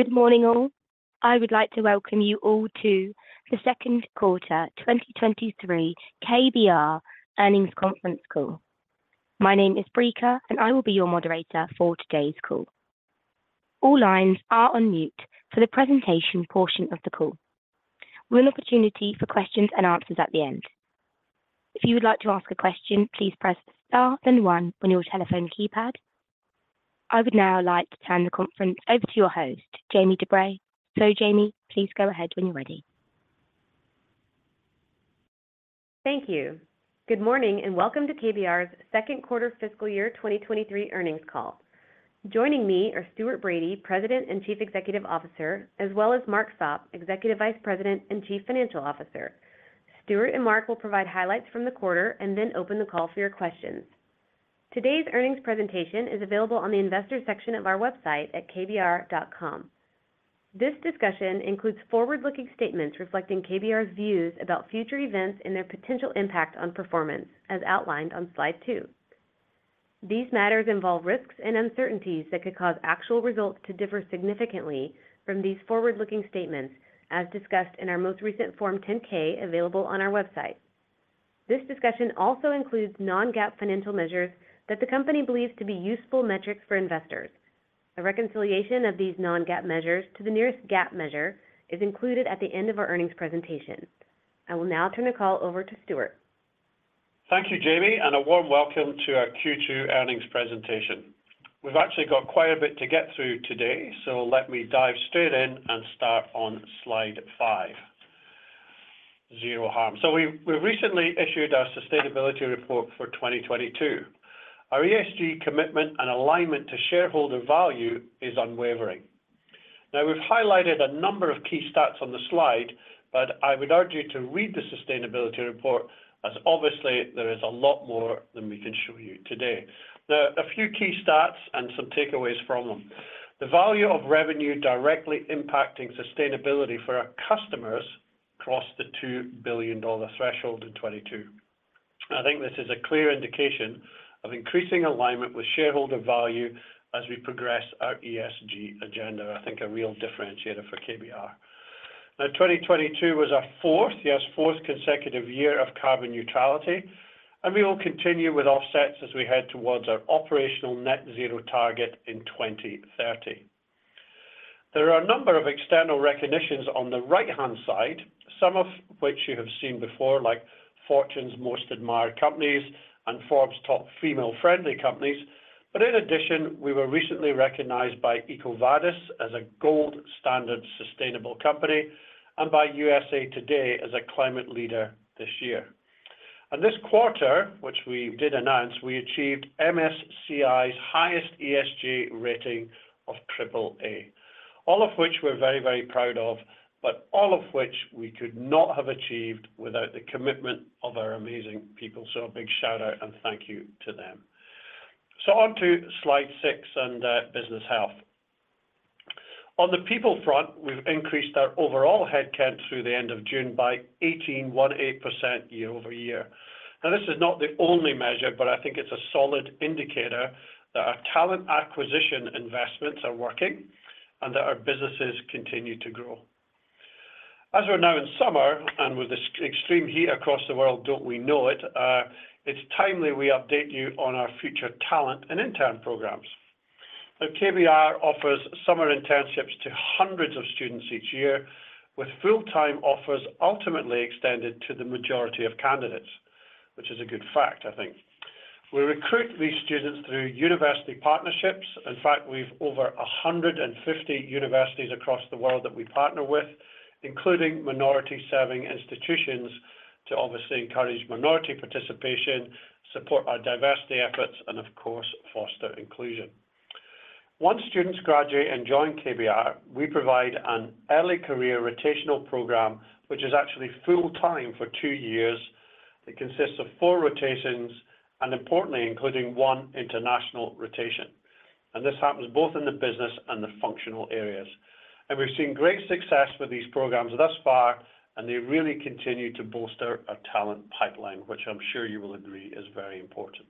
Good morning, all. I would like to welcome you all to the second quarter 2023 KBR Earnings Conference Call. My name is Breaker, and I will be your moderator for today's call. All lines are on mute for the presentation portion of the call, with an opportunity for questions and answers at the end. If you would like to ask a question, please press Star, then one on your telephone keypad. I would now like to turn the conference over to your host, Jamie DuBray. Jamie, please go ahead when you're ready. Thank you. Good morning, and welcome to KBR's 2nd quarter fiscal year 2023 earnings call. Joining me are Stuart Bradie, President and Chief Executive Officer, as well as Mark Sopp, Executive Vice President and Chief Financial Officer. Stuart and Mark will provide highlights from the quarter and then open the call for your questions. Today's earnings presentation is available on the investor section of our website at kbr.com. This discussion includes forward-looking statements reflecting KBR's views about future events and their potential impact on performance, as outlined on slide 2. These matters involve risks and uncertainties that could cause actual results to differ significantly from these forward-looking statements, as discussed in our most recent Form 10-K, available on our website. This discussion also includes non-GAAP financial measures that the company believes to be useful metrics for investors. A reconciliation of these non-GAAP measures to the nearest GAAP measure is included at the end of our earnings presentation. I will now turn the call over to Stuart. Thank you, Jamie, a warm welcome to our Q2 earnings presentation. We've actually got quite a bit to get through today, let me dive straight in and start on slide 5. Zero harm. We recently issued our sustainability report for 2022. Our ESG commitment and alignment to shareholder value is unwavering. We've highlighted a number of key stats on the slide, I would urge you to read the sustainability report as obviously there is a lot more than we can show you today. A few key stats and some takeaways from them. The value of revenue directly impacting sustainability for our customers crossed the $2 billion threshold in 2022. I think this is a clear indication of increasing alignment with shareholder value as we progress our ESG agenda. I think a real differentiator for KBR. 2022 was our 4th, yes, 4th consecutive year of carbon neutrality, and we will continue with offsets as we head towards our operational net zero target in 2030. There are a number of external recognitions on the right-hand side, some of which you have seen before, like Fortune World's Most Admired Companies and Forbes World's Top Female-Friendly Companies. In addition, we were recently recognized by EcoVadis as a Gold Standard sustainable company and by USA Today as a climate leader this year. This quarter, which we did announce, we achieved MSCI's highest ESG rating of AAA. All of which we're very, very proud of, all of which we could not have achieved without the commitment of our amazing people. A big shout-out and thank you to them. On to slide 6 and business health. On the people front, we've increased our overall headcount through the end of June by 18.1% year-over-year. This is not the only measure, but I think it's a solid indicator that our talent acquisition investments are working and that our businesses continue to grow. As we're now in summer, and with this extreme heat across the world, don't we know it, it's timely we update you on our future talent and intern programs. KBR offers summer internships to hundreds of students each year, with full-time offers ultimately extended to the majority of candidates, which is a good fact, I think. We recruit these students through university partnerships. In fact, we've over 150 universities across the world that we partner with, including minority-serving institutions, to obviously encourage minority participation, support our diversity efforts, and of course, foster inclusion. Once students graduate and join KBR, we provide an early career rotational program, which is actually full-time for 2 years. It consists of 4 rotations, importantly, including 1 international rotation. This happens both in the business and the functional areas. We've seen great success with these programs thus far, and they really continue to bolster our talent pipeline, which I'm sure you will agree is very important.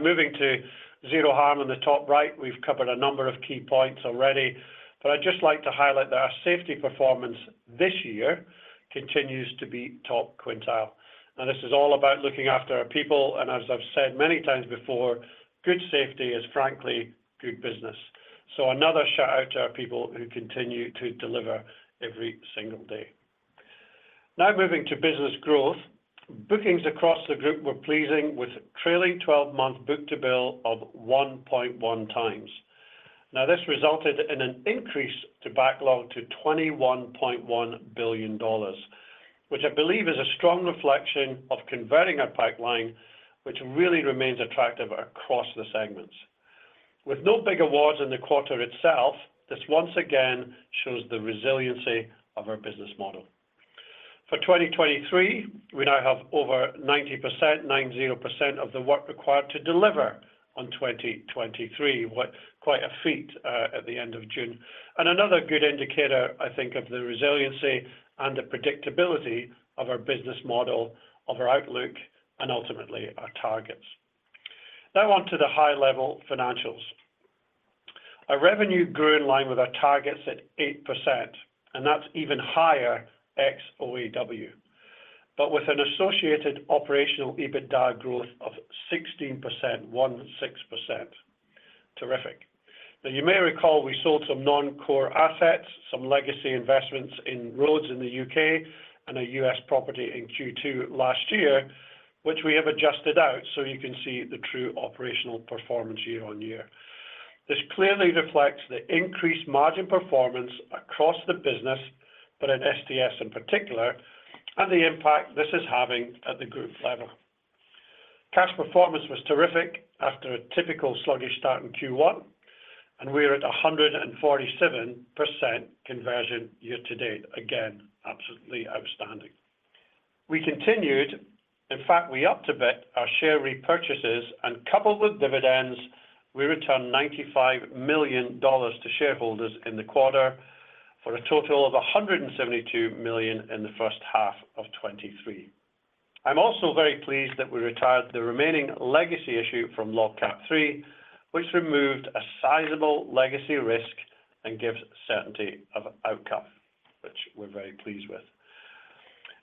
Moving to zero harm in the top right, we've covered a number of key points already, but I'd just like to highlight that our safety performance this year continues to be top quintile. This is all about looking after our people, and as I've said many times before, good safety is frankly good business. Another shout-out to our people who continue to deliver every single day. Moving to business growth. Bookings across the group were pleasing, with trailing 12-month book-to-bill of 1.1 times. This resulted in an increase to backlog to $21.1 billion, which I believe is a strong reflection of converting our pipeline, which really remains attractive across the segments. With no big awards in the quarter itself, this once again shows the resiliency of our business model. For 2023, we now have over 90%, 90%, of the work required to deliver on 2023. Quite a feat at the end of June. Another good indicator, I think, of the resiliency and the predictability of our business model, of our outlook, and ultimately, our targets. On to the high-level financials. Our revenue grew in line with our targets at 8%, and that's even higher ex-OAW, but with an associated operational EBITDA growth of 16%. Terrific. You may recall we sold some non-core assets, some legacy investments in roads in the UK and a US property in Q2 last year, which we have adjusted out so you can see the true operational performance year-on-year. This clearly reflects the increased margin performance across the business, but in STS in particular, and the impact this is having at the group level. Cash performance was terrific after a typical sluggish start in Q1, and we are at 147% conversion year-to-date. Absolutely outstanding. We continued, in fact, we upped a bit our share repurchases, and coupled with dividends, we returned $95 million to shareholders in the quarter for a total of $172 million in the first half of 2023. I'm also very pleased that we retired the remaining legacy issue from LogCAP III, which removed a sizable legacy risk and gives certainty of outcome, which we're very pleased with.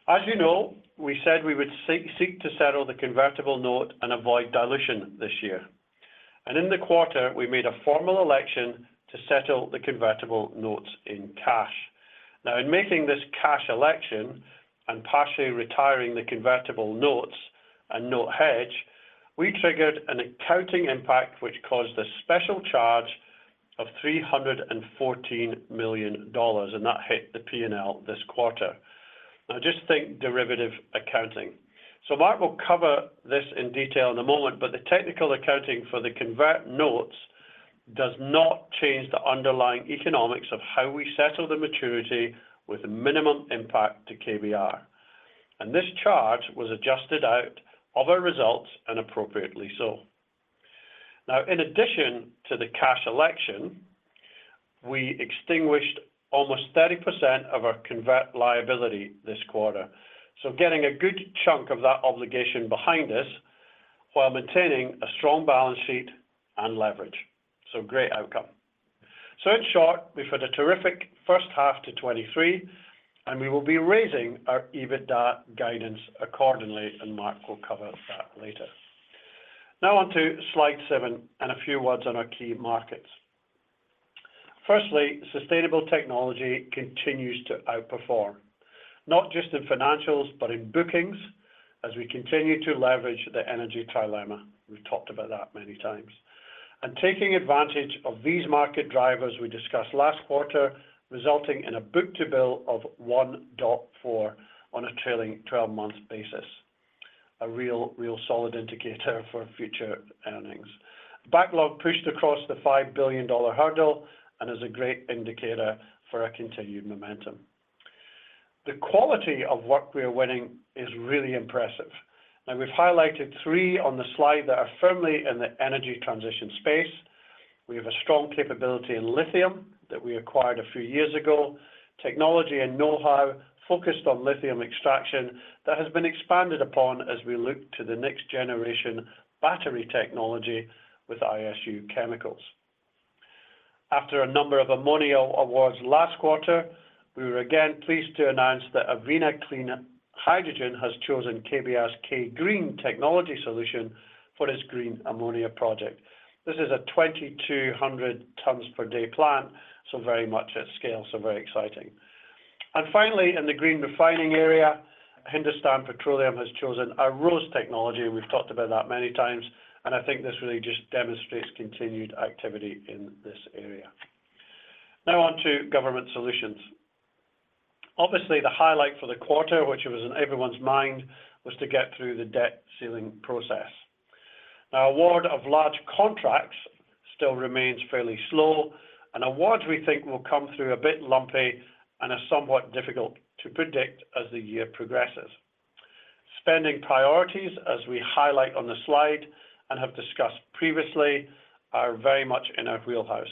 As you know, we said we would seek to settle the convertible note and avoid dilution this year. In the quarter, we made a formal election to settle the convertible notes in cash. In making this cash election and partially retiring the convertible notes and note hedge, we triggered an accounting impact, which caused a special charge of $314 million, and that hit the P&L this quarter. Just think derivative accounting. Mark will cover this in detail in a moment, but the technical accounting for the convert notes does not change the underlying economics of how we settle the maturity with minimum impact to KBR. This charge was adjusted out of our results and appropriately so. In addition to the cash election, we extinguished almost 30% of our convert liability this quarter. Getting a good chunk of that obligation behind us while maintaining a strong balance sheet and leverage. Great outcome. In short, we've had a terrific first half to 2023, and we will be raising our EBITDA guidance accordingly, and Mark will cover that later. On to slide 7 and a few words on our key markets. Firstly, Sustainable Technology continues to outperform, not just in financials, but in bookings, as we continue to leverage the energy trilemma. We've talked about that many times. Taking advantage of these market drivers we discussed last quarter, resulting in a book-to-bill of 1.4 on a trailing 12-month basis. A real solid indicator for future earnings. Backlog pushed across the $5 billion hurdle and is a great indicator for our continued momentum. The quality of work we are winning is really impressive, and we've highlighted three on the slide that are firmly in the energy transition space. We have a strong capability in lithium that we acquired a few years ago, technology and know-how focused on lithium extraction that has been expanded upon as we look to the next generation battery technology with ISU Chemical. After a number of ammonia awards last quarter, we were again pleased to announce that Avina Clean Hydrogen has chosen KBR's K-GreeN technology solution for its green ammonia project. This is a 2,200 tons per day plant, so very much at scale, so very exciting. Finally, in the green refining area, Hindustan Petroleum has chosen our ROSE technology. We've talked about that many times, and I think this really just demonstrates continued activity in this area. On to Government Solutions. Obviously, the highlight for the quarter, which was in everyone's mind, was to get through the debt ceiling process. Award of large contracts still remains fairly slow, and awards we think will come through a bit lumpy and are somewhat difficult to predict as the year progresses. Spending priorities, as we highlight on the slide and have discussed previously, are very much in our wheelhouse.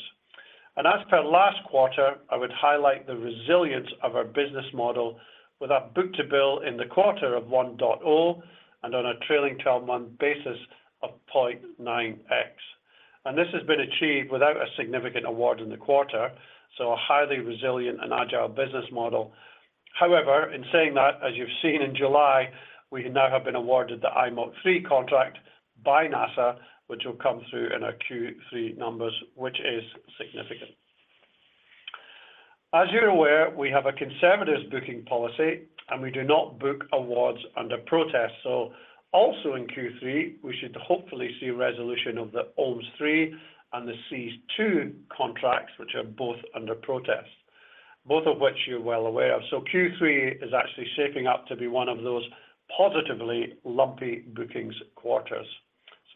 As per last quarter, I would highlight the resilience of our business model with our book-to-bill in the quarter of 1.0 and on a trailing 12-month basis of 0.9x. This has been achieved without a significant award in the quarter, so a highly resilient and agile business model. However, in saying that, as you've seen in July, we now have been awarded the IMOC III contract by NASA, which will come through in our Q3 numbers, which is significant. As you're aware, we have a conservative booking policy, and we do not book awards under protest. Also in Q3, we should hopefully see resolution of the OMES III and the SEAS II contracts, which are both under protest, both of which you're well aware of. Q3 is actually shaping up to be one of those positively lumpy bookings quarters.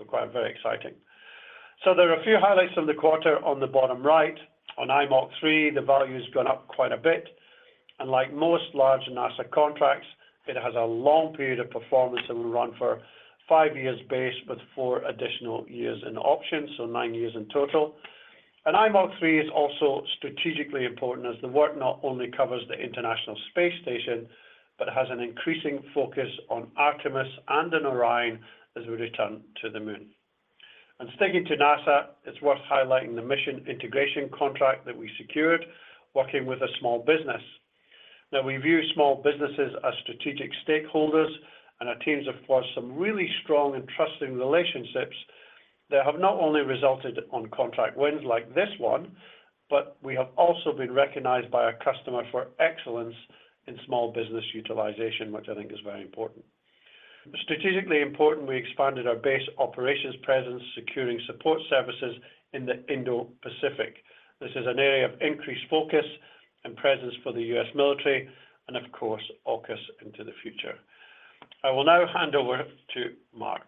Quite very exciting. There are a few highlights from the quarter on the bottom right. On IMOC III, the value has gone up quite a bit, and like most large NASA contracts, it has a long period of performance and will run for five years base with four additional years in option, so nine years in total. IMOC III is also strategically important as the work not only covers the International Space Station, but has an increasing focus on Artemis and an Orion as we return to the moon. Sticking to NASA, it's worth highlighting the mission integration contract that we secured working with a small business. Now, we view small businesses as strategic stakeholders, and our teams have forged some really strong and trusting relationships that have not only resulted on contract wins like this one, but we have also been recognized by our customer for excellence in small business utilization, which I think is very important. Strategically important, we expanded our base operations presence, securing support services in the Indo-Pacific. This is an area of increased focus and presence for the U.S. military and of course, AUKUS into the future. I will now hand over to Mark.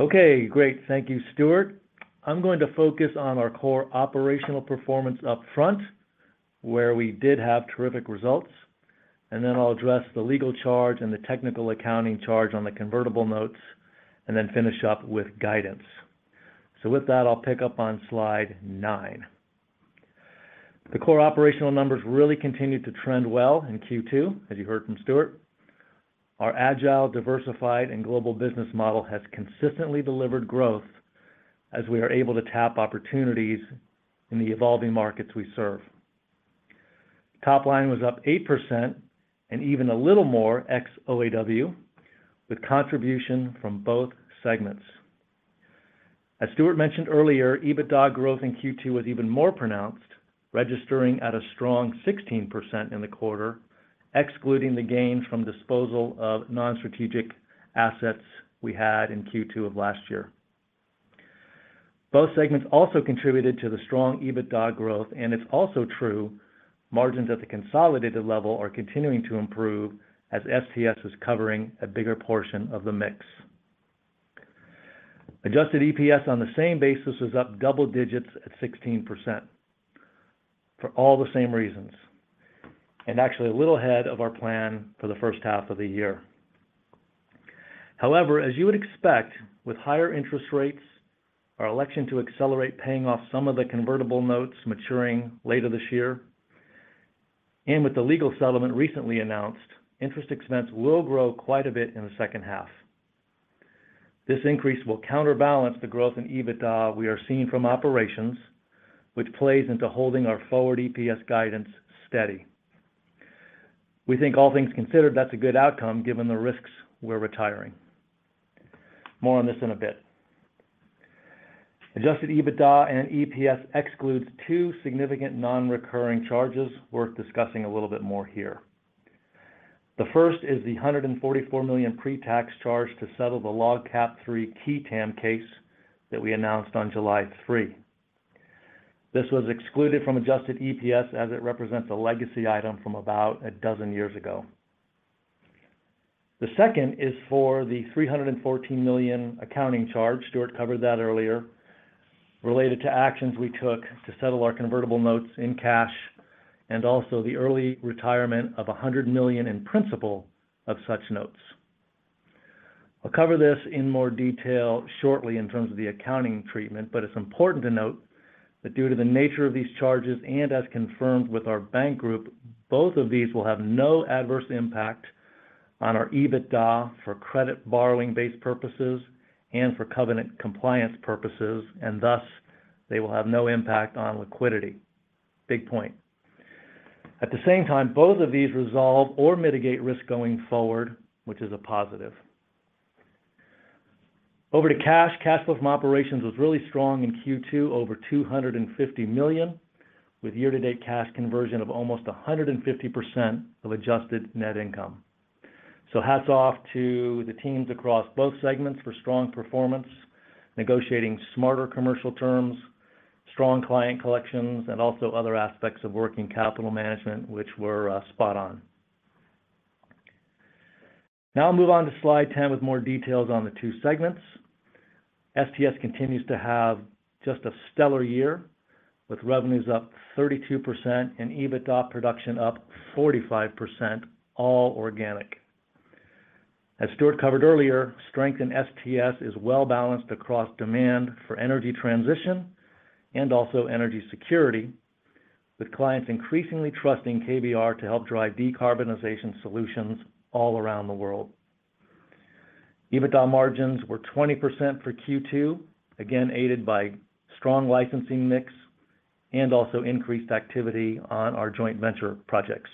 Okay, great. Thank you, Stuart. I'm going to focus on our core operational performance up front, where we did have terrific results, and then I'll address the legal charge and the technical accounting charge on the convertible notes, and then finish up with guidance. With that, I'll pick up on slide 9. The core operational numbers really continued to trend well in Q2, as you heard from Stuart. Our agile, diversified, and global business model has consistently delivered growth as we are able to tap opportunities in the evolving markets we serve. Top line was up 8% and even a little more ex OAW, with contribution from both segments. As Stuart mentioned earlier, EBITDA growth in Q2 was even more pronounced, registering at a strong 16% in the quarter, excluding the gains from disposal of non-strategic assets we had in Q2 of last year. Both segments also contributed to the strong EBITDA growth. It's also true margins at the consolidated level are continuing to improve as STS is covering a bigger portion of the mix. Adjusted EPS on the same basis was up double digits at 16% for all the same reasons. Actually a little ahead of our plan for the first half of the year. However, as you would expect, with higher interest rates, our election to accelerate paying off some of the convertible notes maturing later this year, and with the legal settlement recently announced, interest expense will grow quite a bit in the second half. This increase will counterbalance the growth in EBITDA we are seeing from operations, which plays into holding our forward EPS guidance steady. We think all things considered, that's a good outcome given the risks we're retiring. More on this in a bit. Adjusted EBITDA and EPS excludes 2 significant non-recurring charges worth discussing a little bit more here. The first is the $144 million pre-tax charge to settle the LogCAP III qui tam case that we announced on July 3. This was excluded from adjusted EPS as it represents a legacy item from about a dozen years ago. The second is for the $314 million accounting charge, Stuart covered that earlier, related to actions we took to settle our convertible notes in cash, and also the early retirement of $100 million in principle of such notes. I'll cover this in more detail shortly in terms of the accounting treatment, but it's important to note that due to the nature of these charges and as confirmed with our bank group, both of these will have no adverse impact on our EBITDA for credit borrowing-based purposes and for covenant compliance purposes, and thus, they will have no impact on liquidity. Big point. At the same time, both of these resolve or mitigate risk going forward, which is a positive. Over to cash. Cash flow from operations was really strong in Q2, over $250 million, with year-to-date cash conversion of almost 150% of adjusted net income. Hats off to the teams across both segments for strong performance, negotiating smarter commercial terms, strong client collections, and also other aspects of working capital management, which were spot on. I'll move on to slide 10 with more details on the two segments. STS continues to have just a stellar year, with revenues up 32% and EBITDA production up 45%, all organic. As Stuart covered earlier, strength in STS is well balanced across demand for energy transition and also energy security, with clients increasingly trusting KBR to help drive decarbonization solutions all around the world. EBITDA margins were 20% for Q2, again, aided by strong licensing mix and also increased activity on our joint venture projects.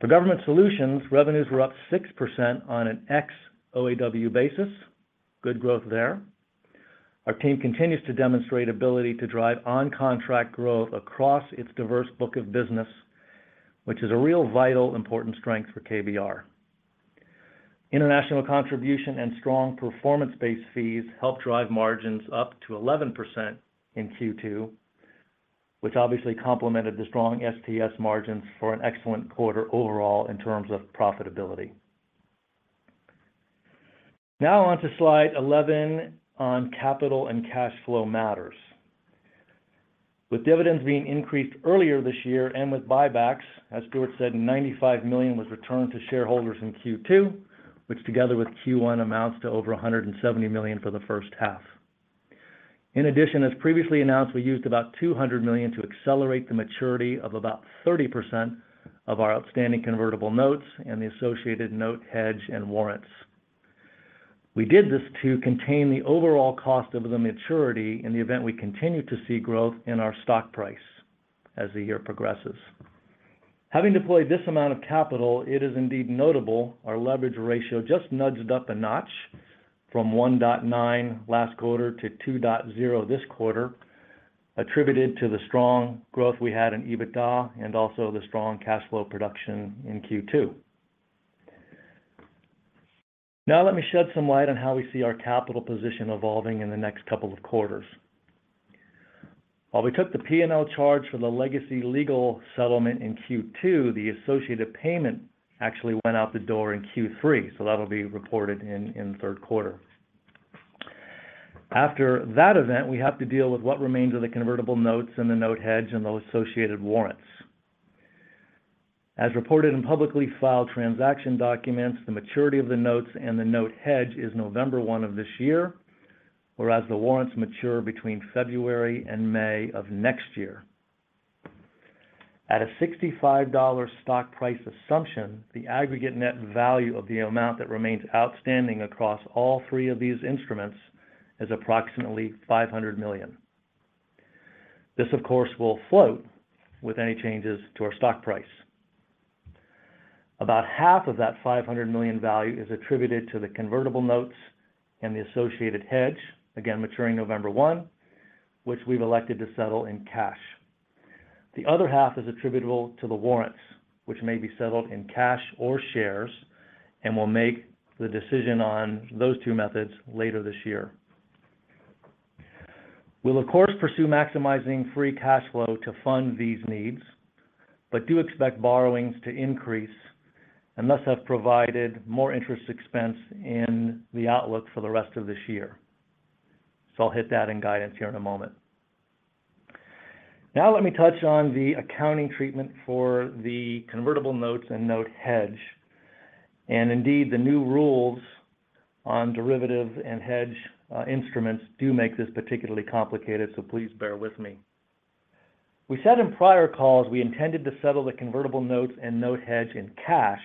For Government Solutions, revenues were up 6% on an ex OAW basis. Good growth there. Our team continues to demonstrate ability to drive on-contract growth across its diverse book of business, which is a real vital, important strength for KBR. International contribution and strong performance-based fees helped drive margins up to 11% in Q2, which obviously complemented the strong STS margins for an excellent quarter overall in terms of profitability. On to slide 11 on capital and cash flow matters. With dividends being increased earlier this year and with buybacks, as Stuart said, $95 million was returned to shareholders in Q2, which together with Q1, amounts to over $170 million for the first half. In addition, as previously announced, we used about $200 million to accelerate the maturity of about 30% of our outstanding convertible notes and the associated note hedge and warrants. We did this to contain the overall cost of the maturity in the event we continue to see growth in our stock price as the year progresses. Having deployed this amount of capital, it is indeed notable our leverage ratio just nudged up a notch from 1.9 last quarter to 2.0 this quarter, attributed to the strong growth we had in EBITDA and also the strong cash flow production in Q2. Let me shed some light on how we see our capital position evolving in the next couple of quarters. While we took the P&L charge for the legacy legal settlement in Q2, the associated payment actually went out the door in Q3, That'll be reported in the third quarter. After that event, we have to deal with what remains of the convertible notes and the note hedge and those associated warrants. As reported in publicly filed transaction documents, the maturity of the notes and the note hedge is November one of this year, whereas the warrants mature between February and May of next year. At a $65 stock price assumption, the aggregate net value of the amount that remains outstanding across all three of these instruments is approximately $500 million. This, of course, will float with any changes to our stock price. About half of that $500 million value is attributed to the convertible notes and the associated hedge, again, maturing November one, which we've elected to settle in cash. The other half is attributable to the warrants, which may be settled in cash or shares, and we'll make the decision on those two methods later this year. We'll, of course, pursue maximizing free cash flow to fund these needs, but do expect borrowings to increase, and thus have provided more interest expense in the outlook for the rest of this year. I'll hit that in guidance here in a moment. Now, let me touch on the accounting treatment for the convertible notes and note hedge. Indeed, the new rules on derivative and hedge instruments do make this particularly complicated, so please bear with me. We said in prior calls, we intended to settle the convertible notes and note hedge in cash,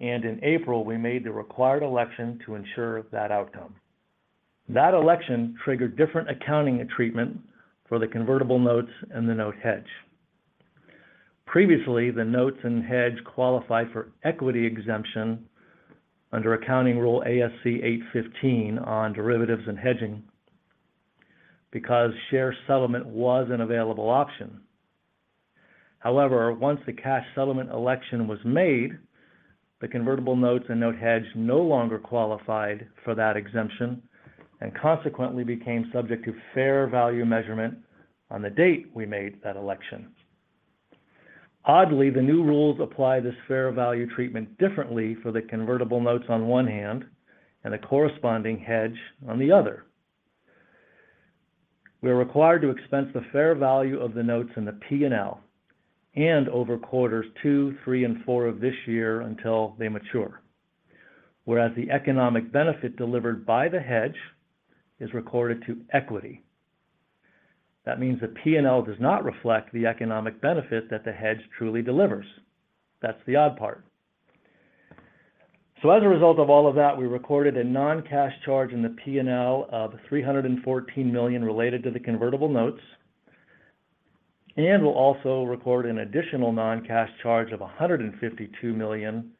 and in April, we made the required election to ensure that outcome. That election triggered different accounting treatment for the convertible notes and the note hedge. Previously, the notes and hedge qualified for equity exemption under accounting rule ASC-815 on derivatives and hedging, because share settlement was an available option. Once the cash settlement election was made, the convertible notes and note hedge no longer qualified for that exemption, and consequently became subject to fair value measurement on the date we made that election. Oddly, the new rules apply this fair value treatment differently for the convertible notes on one hand, and a corresponding hedge on the other. We are required to expense the fair value of the notes in the P&L and over quarters 2, 3, and 4 of this year until they mature. The economic benefit delivered by the hedge is recorded to equity. That means the P&L does not reflect the economic benefit that the hedge truly delivers. That's the odd part. As a result of all of that, we recorded a non-cash charge in the P&L of $314 million related to the convertible notes, and we'll also record an additional non-cash charge of $152 million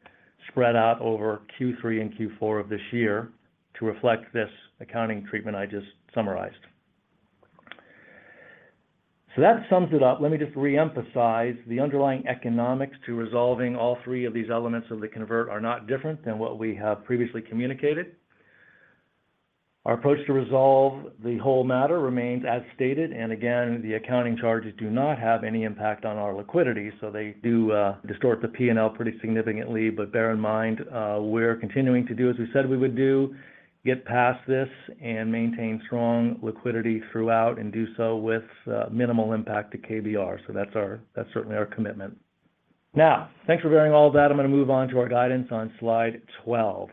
spread out over Q3 and Q4 of this year to reflect this accounting treatment I just summarized. That sums it up. Let me just reemphasize the underlying economics to resolving all three of these elements of the convert are not different than what we have previously communicated. Our approach to resolve the whole matter remains as stated, and again, the accounting charges do not have any impact on our liquidity, so they do, distort the P&L pretty significantly. Bear in mind, we're continuing to do as we said we would do, get past this, and maintain strong liquidity throughout, and do so with minimal impact to KBR. That's certainly our commitment. Thanks for bearing all of that. I'm going to move on to our guidance on slide 12.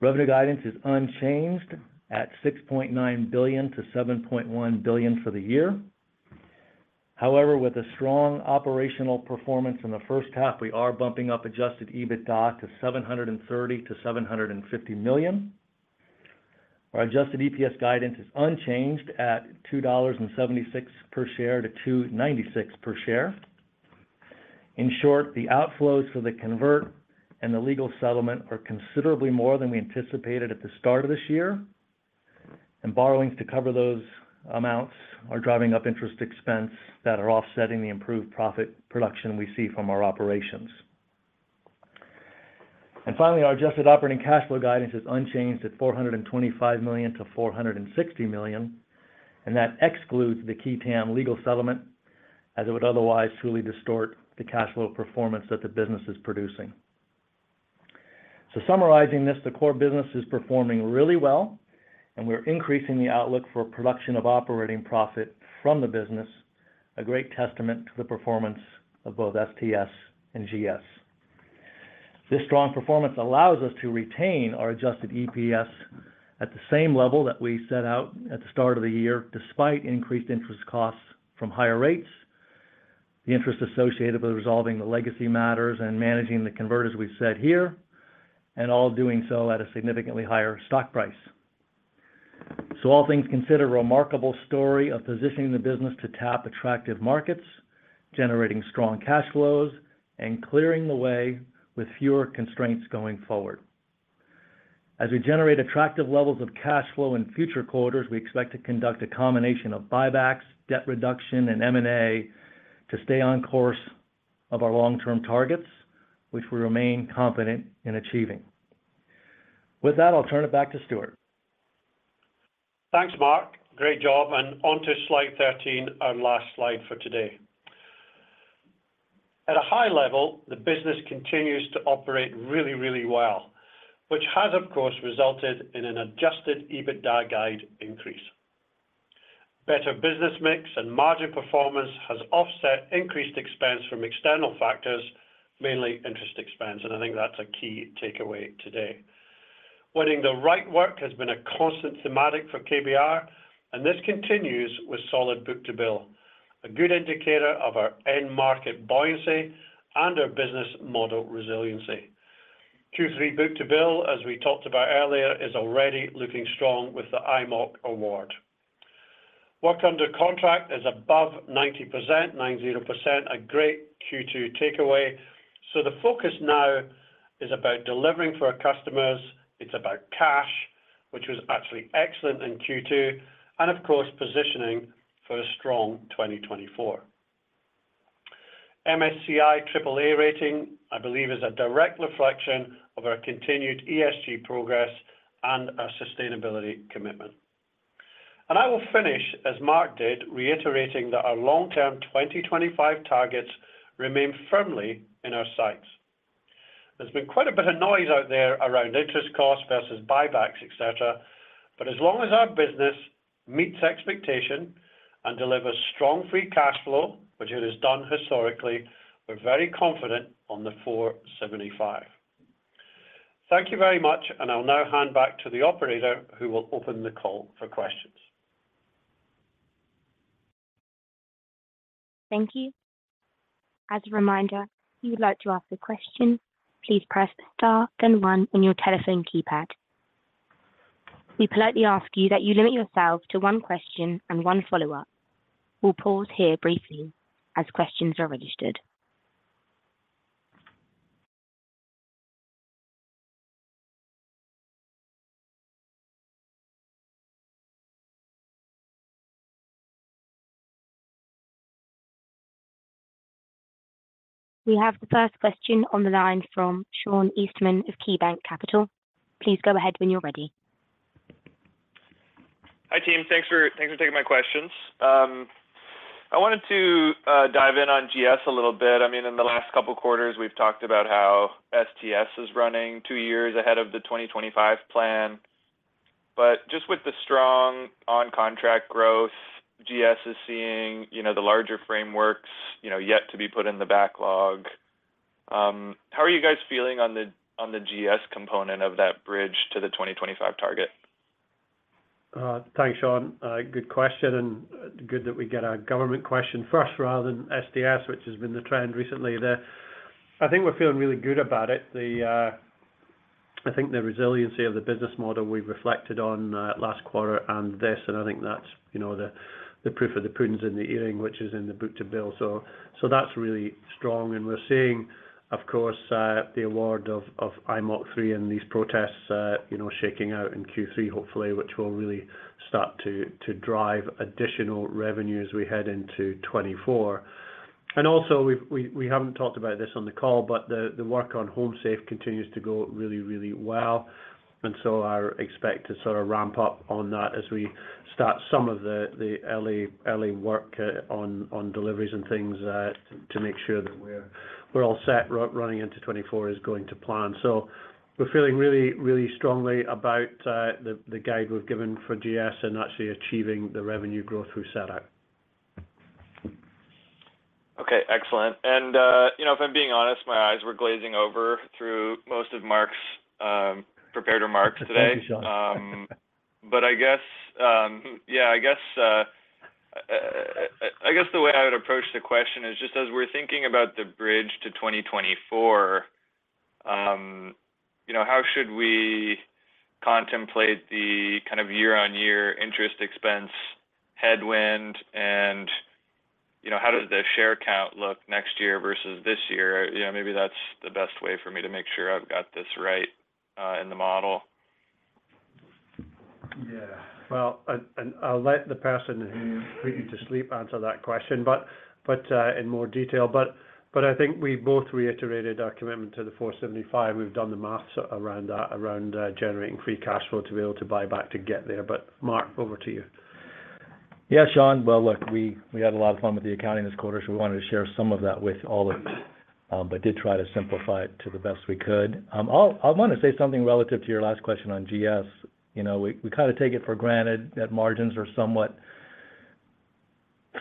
Revenue guidance is unchanged at $6.9 billion-$7.1 billion for the year. However, with a strong operational performance in the first half, we are bumping up Adjusted EBITDA to $730 million-$750 million. Our adjusted EPS guidance is unchanged at $2.76 per share-$2.96 per share. In short, the outflows for the convert and the legal settlement are considerably more than we anticipated at the start of this year, and borrowings to cover those amounts are driving up interest expense that are offsetting the improved profit production we see from our operations. Finally, our adjusted operating cash flow guidance is unchanged at $425 million-$460 million, and that excludes the qui tam legal settlement, as it would otherwise truly distort the cash flow performance that the business is producing. Summarizing this, the core business is performing really well, and we're increasing the outlook for production of operating profit from the business, a great testament to the performance of both STS and GS. This strong performance allows us to retain our adjusted EPS at the same level that we set out at the start of the year, despite increased interest costs from higher rates, the interest associated with resolving the legacy matters, and managing the converters we've set here, and all doing so at a significantly higher stock price. All things considered, a remarkable story of positioning the business to tap attractive markets, generating strong cash flows, and clearing the way with fewer constraints going forward. We generate attractive levels of cash flow in future quarters, we expect to conduct a combination of buybacks, debt reduction, and M&A to stay on course of our long-term targets, which we remain confident in achieving. I'll turn it back to Stuart. Thanks, Mark. Great job. On to slide 13, our last slide for today. At a high level, the business continues to operate really, really well, which has, of course, resulted in an adjusted EBITDA guide increase. Better business mix and margin performance has offset increased expense from external factors, mainly interest expense, and I think that's a key takeaway today. Winning the right work has been a constant thematic for KBR, and this continues with solid book-to-bill, a good indicator of our end market buoyancy and our business model resiliency. Q3 book-to-bill, as we talked about earlier, is already looking strong with the IMOC award. Work under contract is above 90%, 90%, a great Q2 takeaway. The focus now is about delivering for our customers, it's about cash, which was actually excellent in Q2, and of course, positioning for a strong 2024. MSCI AAA rating, I believe, is a direct reflection of our continued ESG progress and our sustainability commitment. I will finish, as Mark did, reiterating that our long-term 2025 targets remain firmly in our sights. There's been quite a bit of noise out there around interest costs versus buybacks, et cetera, but as long as our business meets expectation and delivers strong free cash flow, which it has done historically, we're very confident on the 475. Thank you very much, and I'll now hand back to the operator, who will open the call for questions. Thank you. As a reminder, if you would like to ask a question, please press Star then 1 on your telephone keypad. We politely ask you that you limit yourself to 1 question and 1 follow-up. We'll pause here briefly as questions are registered. We have the first question on the line from Sean Eastman of KeyBanc Capital Markets. Please go ahead when you're ready. Hi, team. Thanks for taking my questions. I wanted to dive in on GS a little bit. I mean, in the last couple of quarters, we've talked about how STS is running two years ahead of the 2025 plan, just with the strong on-contract growth, GS is seeing, you know, the larger frameworks, you know, yet to be put in the backlog. How are you guys feeling on the GS component of that bridge to the 2025 target? Thanks, Sean. Good question, good that we get our government question first rather than STS, which has been the trend recently. I think we're feeling really good about it. I think the resiliency of the business model we reflected on last quarter and this, I think that's, you know, the proof of the pudding is in the eating, which is in the book-to-bill. That's really strong. We're seeing, of course, the award of IMOC III and these protests, you know, shaking out in Q3, hopefully, which will really start to drive additional revenue as we head into 2024. Also, we haven't talked about this on the call, but the work on Home Safe continues to go really, really well. I expect to sort of ramp up on that as we start some of the, the early, early work on, on deliveries and things to make sure that we're, we're all set running into 2024 is going to plan. We're feeling really, really strongly about the guide we've given for GS and actually achieving the revenue growth we set out. Okay, excellent. you know, if I'm being honest, my eyes were glazing over through most of Mark's prepared remarks today. Thank you, Sean. I guess the way I would approach the question is just as we're thinking about the bridge to 2024, you know, how should we contemplate the kind of year-on-year interest expense headwind? You know, how does the share count look next year versus this year? You know, maybe that's the best way for me to make sure I've got this right in the model. Yeah. Well, I'll let the person who put you to sleep answer that question, in more detail. I think we both reiterated our commitment to the 475. We've done the math around that, around generating free cash flow to be able to buy back to get there. Mark, over to you. Yeah, Sean. Well, look, we, we had a lot of fun with the accounting this quarter, so we wanted to share some of that with all of you, but did try to simplify it to the best we could. I want to say something relative to your last question on GS. You know, we, we kind of take it for granted that margins are somewhat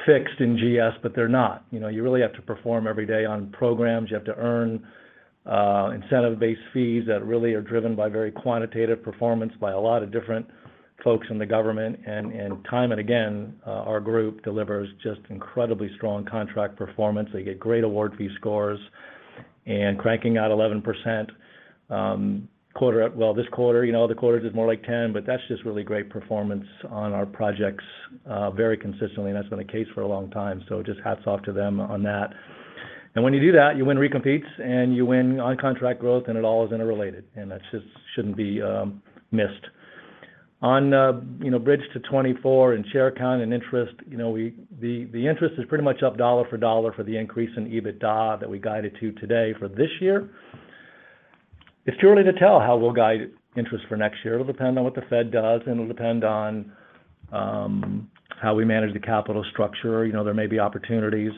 fixed in GS, but they're not. You know, you really have to perform every day on programs. You have to earn incentive-based fees that really are driven by very quantitative performance by a lot of different folks in the government. Time and again, our group delivers just incredibly strong contract performance. They get great award fee scores and cranking out 11%, well, this quarter, you know, other quarters is more like 10, but that's just really great performance on our projects, very consistently, and that's been the case for a long time. Just hats off to them on that. When you do that, you win recompetes, and you win on contract growth, it all is interrelated, that just shouldn't be missed. On, you know, bridge to 2024 and share count and interest, you know, the interest is pretty much up dollar for dollar for the increase in EBITDA that we guided to today for this year. It's too early to tell how we'll guide interest for next year. It'll depend on what the Fed does, and it'll depend on how we manage the capital structure. You know, there may be opportunities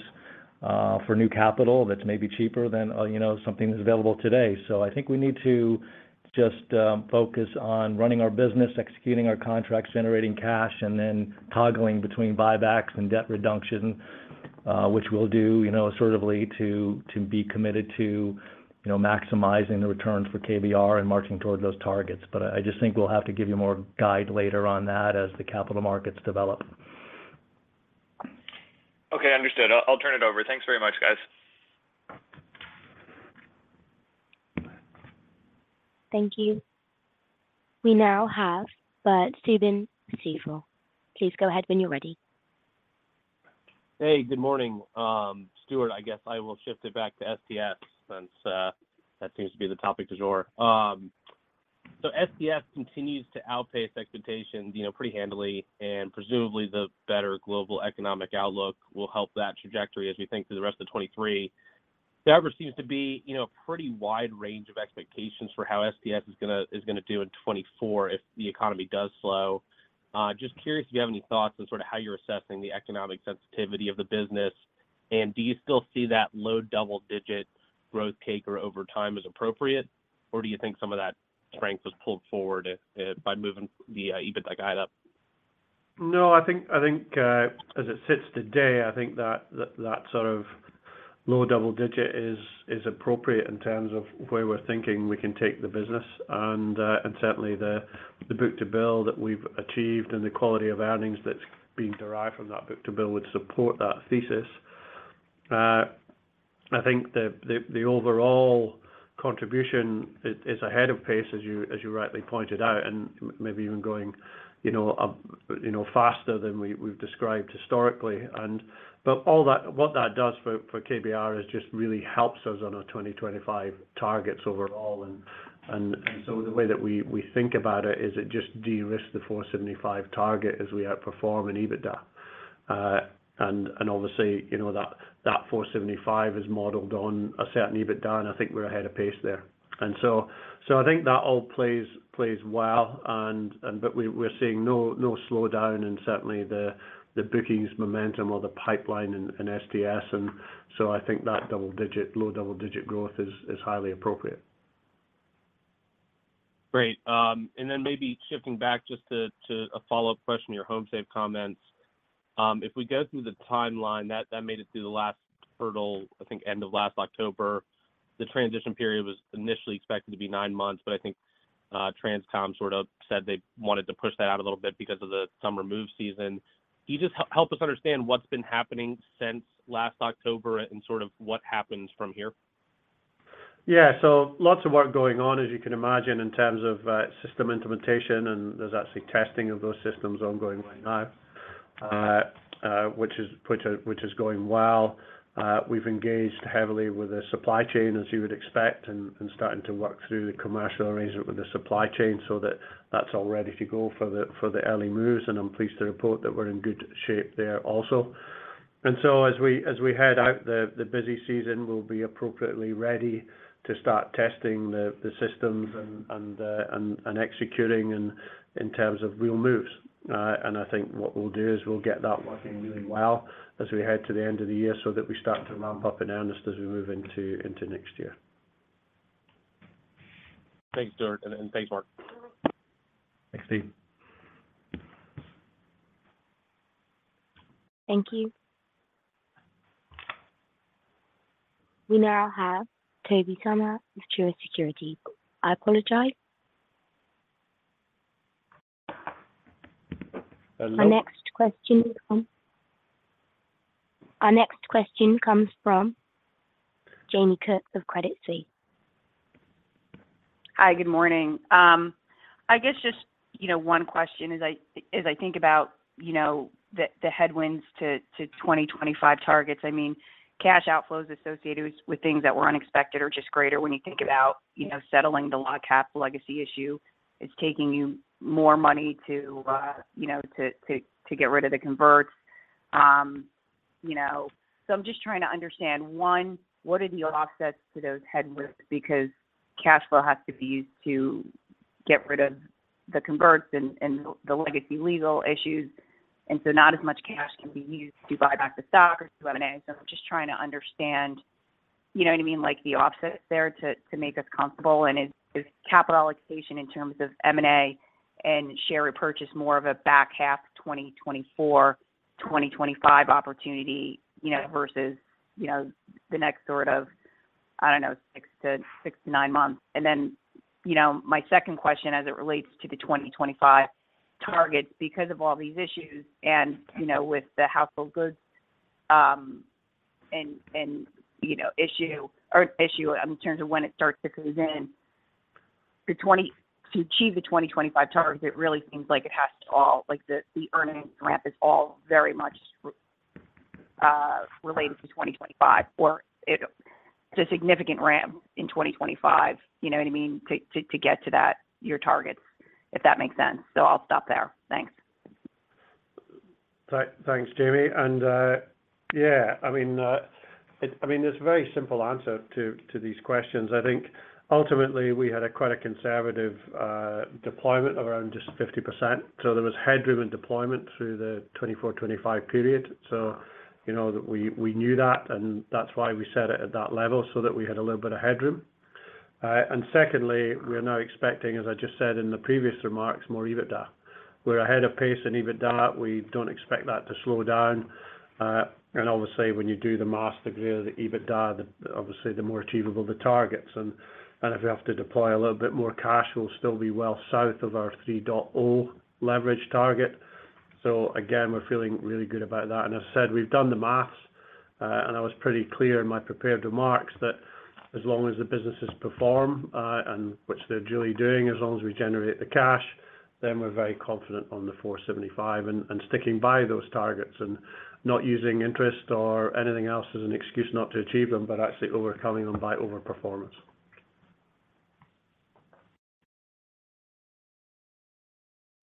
for new capital that's maybe cheaper than, you know, something that's available today. I think we need to just focus on running our business, executing our contracts, generating cash, and then toggling between buybacks and debt reduction, which we'll do, you know, assertively to be committed to, you know, maximizing the returns for KBR and marching toward those targets. I just think we'll have to give you more guide later on that as the capital markets develop. Okay, understood. I'll turn it over. Thanks very much, guys. Thank you. We now have Bert Subin, Stifel. Please go ahead when you're ready. Hey, good morning. Stuart, I guess I will shift it back to STS since that seems to be the topic du jour. STS continues to outpace expectations, you know, pretty handily, and presumably, the better global economic outlook will help that trajectory as we think through the rest of 2023. There ever seems to be, you know, a pretty wide range of expectations for how STS is gonna do in 2024 if the economy does slow. Just curious if you have any thoughts on sort of how you're assessing the economic sensitivity of the business, and do you still see that low double-digit growth taker over time as appropriate, or do you think some of that strength was pulled forward by moving the EBITDA guide up? No, I think, as it sits today, I think that sort of low double digit is appropriate in terms of where we're thinking we can take the business. Certainly the book-to-bill that we've achieved and the quality of earnings that's being derived from that book-to-bill would support that thesis. I think the overall contribution is ahead of pace, as you rightly pointed out, and maybe even going, you know, up, you know, faster than we've described historically. But all that what that does for KBR is just really helps us on our 2025 targets overall. So the way that we think about it, it just de-risk the 475 target as we outperform in EBITDA. Obviously, you know, that 475 is modeled on a certain EBITDA, and I think we're ahead of pace there. So I think that all plays well and but we're seeing no slowdown in certainly the bookings momentum or the pipeline in STS. So I think that double-digit, low double-digit growth is highly appropriate. Great. Then maybe shifting back just to a follow-up question, your HomeSafe comments. If we go through the timeline, that made it through the last hurdle, I think end of last October. The transition period was initially expected to be nine months, but I think USTRANSCOM sort of said they wanted to push that out a little bit because of the summer move season. Can you just help us understand what's been happening since last October and sort of what happens from here? Yeah. Lots of work going on, as you can imagine, in terms of system implementation, and there's actually testing of those systems ongoing right now, which is going well. We've engaged heavily with the supply chain, as you would expect, and starting to work through the commercial arrangement with the supply chain so that that's all ready to go for the early moves, and I'm pleased to report that we're in good shape there also. As we head out, the busy season, we'll be appropriately ready to start testing the systems and executing in terms of real moves. I think what we'll do is we'll get that working really well as we head to the end of the year, so that we start to ramp up in earnest as we move into next year. Thanks, Stuart, and thanks, Mark. Thanks, Steve. Thank you. We now have Tobey Sommer with Truist Securities. I apologize. Hello? Our next question comes from Jamie Cook of Credit Suisse. Hi, good morning. I guess just, you know, one question as I, as I think about, you know, the, the headwinds to 2025 targets. I mean, cash outflows associated with, with things that were unexpected or just greater when you think about, you know, settling the LogCAP legacy issue, it's taking you more money to, you know, to, to, to get rid of the converts. You know, I'm just trying to understand, one, what are the offsets to those headworks? Because cash flow has to be used to get rid of the converts and, and the legacy legal issues, and so not as much cash can be used to buy back the stock or do M&A. I'm just trying to understand, you know what I mean, like the offsets there to, to make us comfortable. Is capital allocation in terms of M&A and share repurchase more of a back half 2024, 2025 opportunity, you know, versus, you know, the next sort of, I don't know, 6 to 9 months? You know, my second question as it relates to the 2025 targets, because of all these issues and, you know, with the household goods, in terms of when it starts to come in, to achieve the 2025 target, it really seems like it has to all, like, the, the earnings ramp is all very much related to 2025, or it a significant ramp in 2025. You know what I mean? To get to that, your targets, if that makes sense. I'll stop there. Thanks. Thanks, Jamie. Yeah, I mean, there's a very simple answer to these questions. I think ultimately we had a quite a conservative deployment of around just 50%, so there was headroom and deployment through the 2024/2025 period. You know, that we knew that, and that's why we set it at that level, so that we had a little bit of headroom. Secondly, we are now expecting, as I just said in the previous remarks, more EBITDA. We're ahead of pace in EBITDA. We don't expect that to slow down. Obviously, when you do the master degree of the EBITDA, the more achievable the targets. If we have to deploy a little bit more cash, we'll still be well south of our 3.0 leverage target. Again, we're feeling really good about that. I've said we've done the math, I was pretty clear in my prepared remarks that as long as the businesses perform, which they're duly doing, as long as we generate the cash, then we're very confident on the 475 and sticking by those targets and not using interest or anything else as an excuse not to achieve them, but actually overcoming them by overperformance.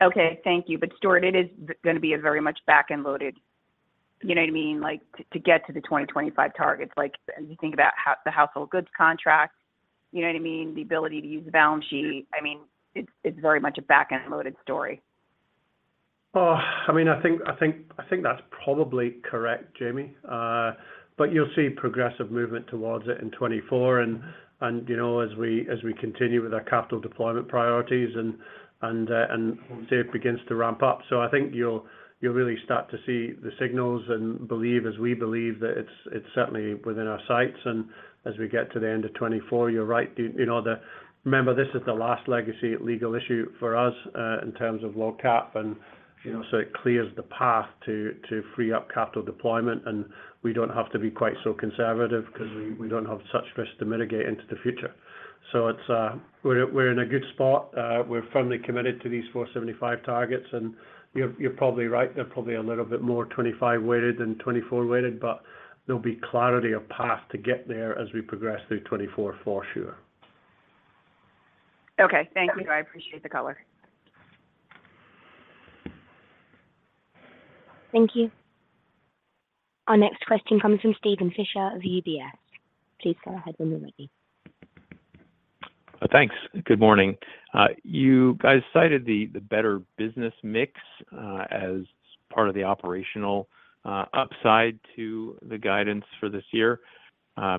Okay, thank you. Stuart, it is going to be a very much back-end loaded, you know what I mean? To get to the 2025 targets. You think about how the household goods contract, you know what I mean? The ability to use the balance sheet. I mean, it's very much a back-end loaded story. Oh, I mean, I think that's probably correct, Jamie. You'll see progressive movement towards it in 2024. And, you know, as we continue with our capital deployment priorities and say it begins to ramp up. I think you'll really start to see the signals and believe, as we believe, that it's certainly within our sights. As we get to the end of 2024, you're right. Remember, this is the last legacy legal issue for us in terms of LogCAP, you know, it clears the path to free up capital deployment, we don't have to be quite so conservative because we don't have such risk to mitigate into the future. It's, we're in a good spot. We're firmly committed to these 475 targets. You're probably right. They're probably a little bit more 25 weighted than 24 weighted. There'll be clarity of path to get there as we progress through 2024 for sure. Okay. Thank you. I appreciate the color. Thank you. Our next question comes from Steven Fisher of UBS. Please go ahead when you're ready. Thanks. Good morning. You guys cited the better business mix as part of the operational upside to the guidance for this year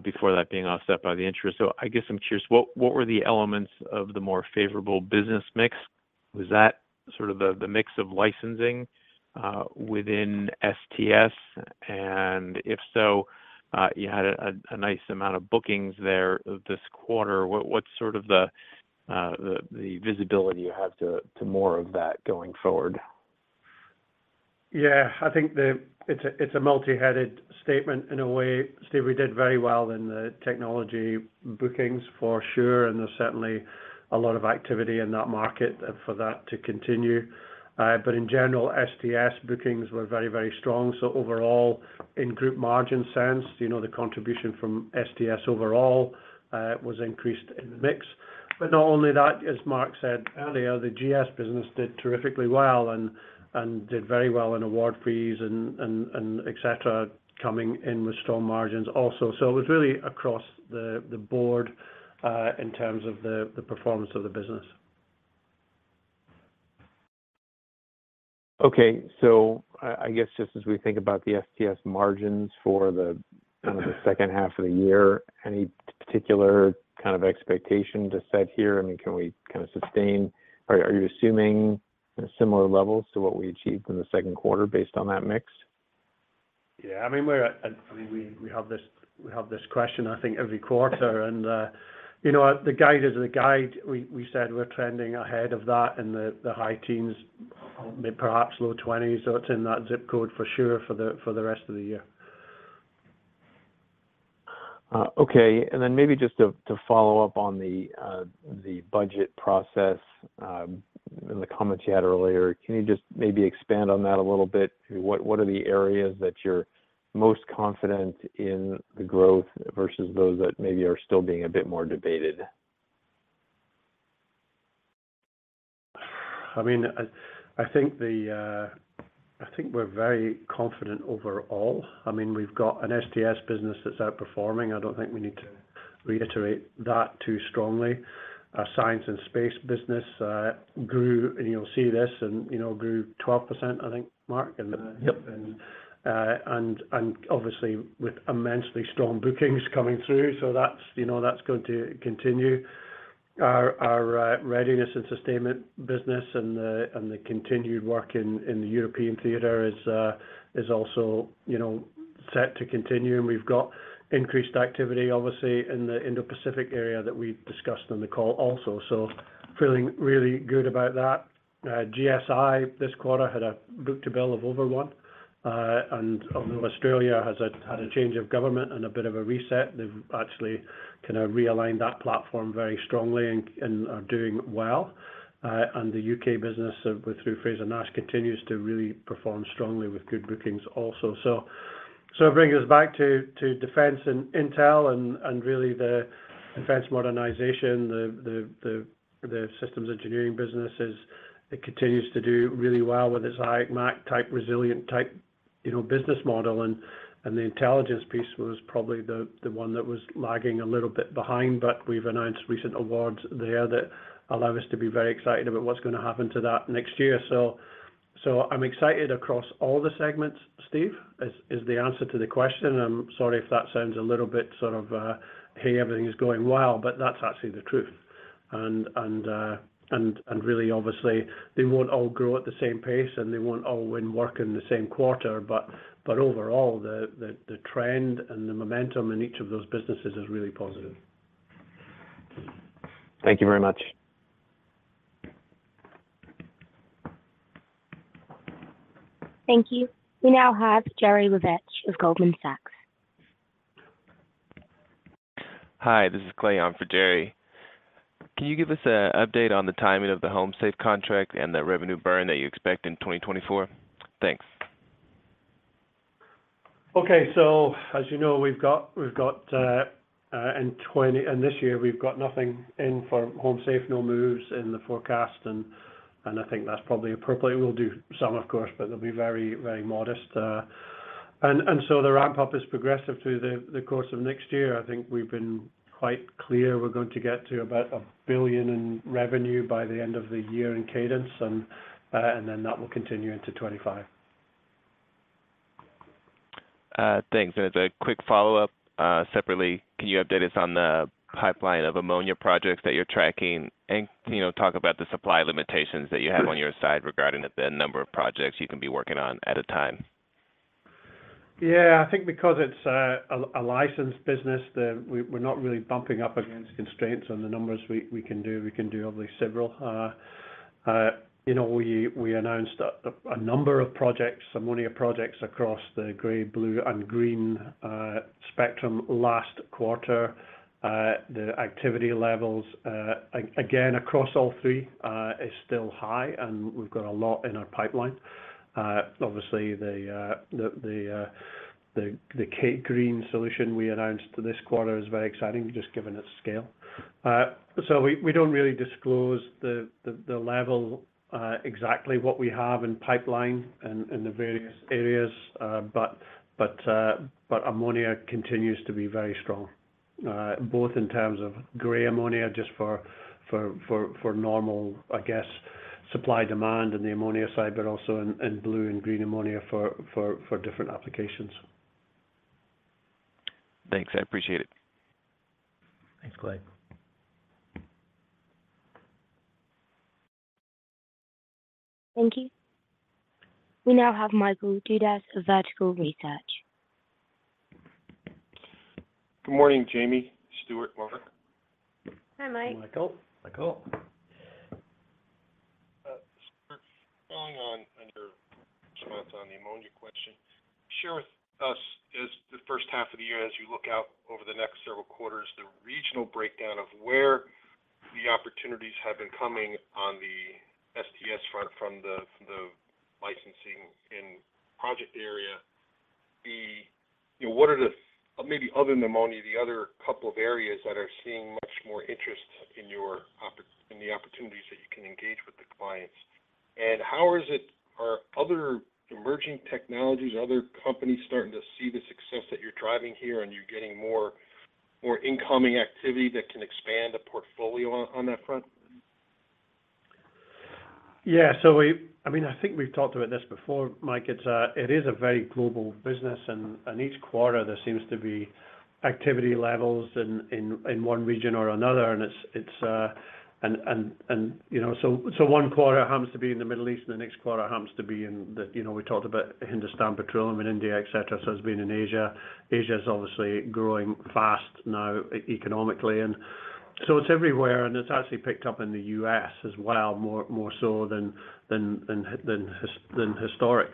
before that being offset by the interest. I guess I'm curious, what were the elements of the more favorable business mix? Was that sort of the mix of licensing within STS? If so, you had a nice amount of bookings there this quarter. What's sort of the visibility you have to more of that going forward? Yeah, I think it's a, it's a multiheaded statement in a way, Steven. We did very well in the technology bookings for sure, and there's certainly a lot of activity in that market for that to continue. In general, STS bookings were very, very strong. Overall, in group margin sense, you know, the contribution from STS overall was increased in the mix. Not only that, as Mark said earlier, the GS business did terrifically well and did very well in award fees and et cetera, coming in with strong margins also. It was really across the board in terms of the performance of the business. I guess just as we think about the STS margins for the second half of the year, any particular kind of expectation to set here? I mean, can we kind of sustain, or are you assuming similar levels to what we achieved in the second quarter based on that mix? Yeah, I mean, we're, I mean, we have this question, I think, every quarter. You know, the guide is the guide. We said we're trending ahead of that and the high teens, maybe perhaps low twenties. It's in that zip code for sure, for the rest of the year. Okay. Maybe just to follow up on the budget process, and the comments you had earlier, can you just maybe expand on that a little bit? What are the areas that you're most confident in the growth versus those that maybe are still being a bit more debated? I mean, I think the, I think we're very confident overall. I mean, we've got an STS business that's outperforming. I don't think we need to reiterate that too strongly. Our science and space business grew, and you'll see this, you know, grew 12%, I think, Mark? Yep. Obviously with immensely strong bookings coming through, that's, you know, that's going to continue. Our readiness and sustainment business and the continued work in the European theater is also, you know, set to continue, we've got increased activity, obviously, in the Indo-Pacific area that we discussed on the call also. Feeling really good about that. GSI this quarter had a book-to-bill of over 1. Although Australia has had a change of government and a bit of a reset, they've actually kind of realigned that platform very strongly and are doing well. The U.K. business with, through Frazer-Nash continues to really perform strongly with good bookings also. It brings us back to defense and intel and really the defense modernization, the systems engineering business is it continues to do really well with its high-margin type, resilient type, you know, business model, and the intelligence piece was probably the one that was lagging a little bit behind, but we've announced recent awards there that allow us to be very excited about what's going to happen to that next year. I'm excited across all the segments, Steve, is the answer to the question. I'm sorry if that sounds a little bit sort of, "Hey, everything is going well," but that's actually the truth. Really, obviously, they won't all grow at the same pace, and they won't all win work in the same quarter, but overall, the trend and the momentum in each of those businesses is really positive. Thank you very much. Thank you. We now have Jerry Revich of Goldman Sachs. Hi, this is Clay on for Jerry. Can you give us an update on the timing of the HomeSafe Alliance contract and the revenue burn that you expect in 2024? Thanks. Okay, so as you know, we've got in this year, we've got nothing in for HomeSafe Alliance, no moves in the forecast, and I think that's probably appropriate. We'll do some, of course, but they'll be very modest. The ramp-up is progressive through the course of next year. I think we've been quite clear we're going to get to about $1 billion in revenue by the end of the year in cadence, and then that will continue into 2025. Thanks. A quick follow-up, separately, can you update us on the pipeline of ammonia projects that you're tracking? You know, talk about the supply limitations that you have on your side regarding the number of projects you can be working on at a time. Yeah, I think because it's a licensed business, we're not really bumping up against constraints on the numbers we can do. We can do obviously several. You know, we announced a number of projects, ammonia projects, across the gray, blue, and green spectrum last quarter. The activity levels again, across all three, is still high, and we've got a lot in our pipeline. Obviously, the K-GreeN solution we announced this quarter is very exciting, just given its scale. We don't really disclose the level exactly what we have in pipeline and in the various areas, but ammonia continues to be very strong, both in terms of gray ammonia, just for normal supply demand on the ammonia side, but also in blue and green ammonia for different applications. Thanks. I appreciate it. Thanks, Clay. Thank you. We now have Michael Dudas of Vertical Research. Good morning, Jamie, Stuart, Mark. Hi, Mike. Michael. Michael. Stuart, following on, on your comments on the ammonia question, share with us, as the first half of the year, as you look out over the next several quarters, the regional breakdown of where the opportunities have been coming on the STS front from the, from the licensing in project area. You know, what are the, maybe other than ammonia, the other couple of areas that are seeing much more interest in your opportunities that you can engage with the clients? How are other emerging technologies, other companies starting to see the success that you're driving here, and you're getting more, more incoming activity that can expand the portfolio on, on that front? Yeah, I mean, I think we've talked about this before, Mike. It is a very global business, and each quarter there seems to be activity levels in one region or another, and it's. You know, one quarter happens to be in the Middle East, and the next quarter happens to be in the, we talked about Hindustan Petroleum in India, et cetera. It's been in Asia. Asia is obviously growing fast now economically, it's everywhere, and it's actually picked up in the U.S. as well, more so than historic.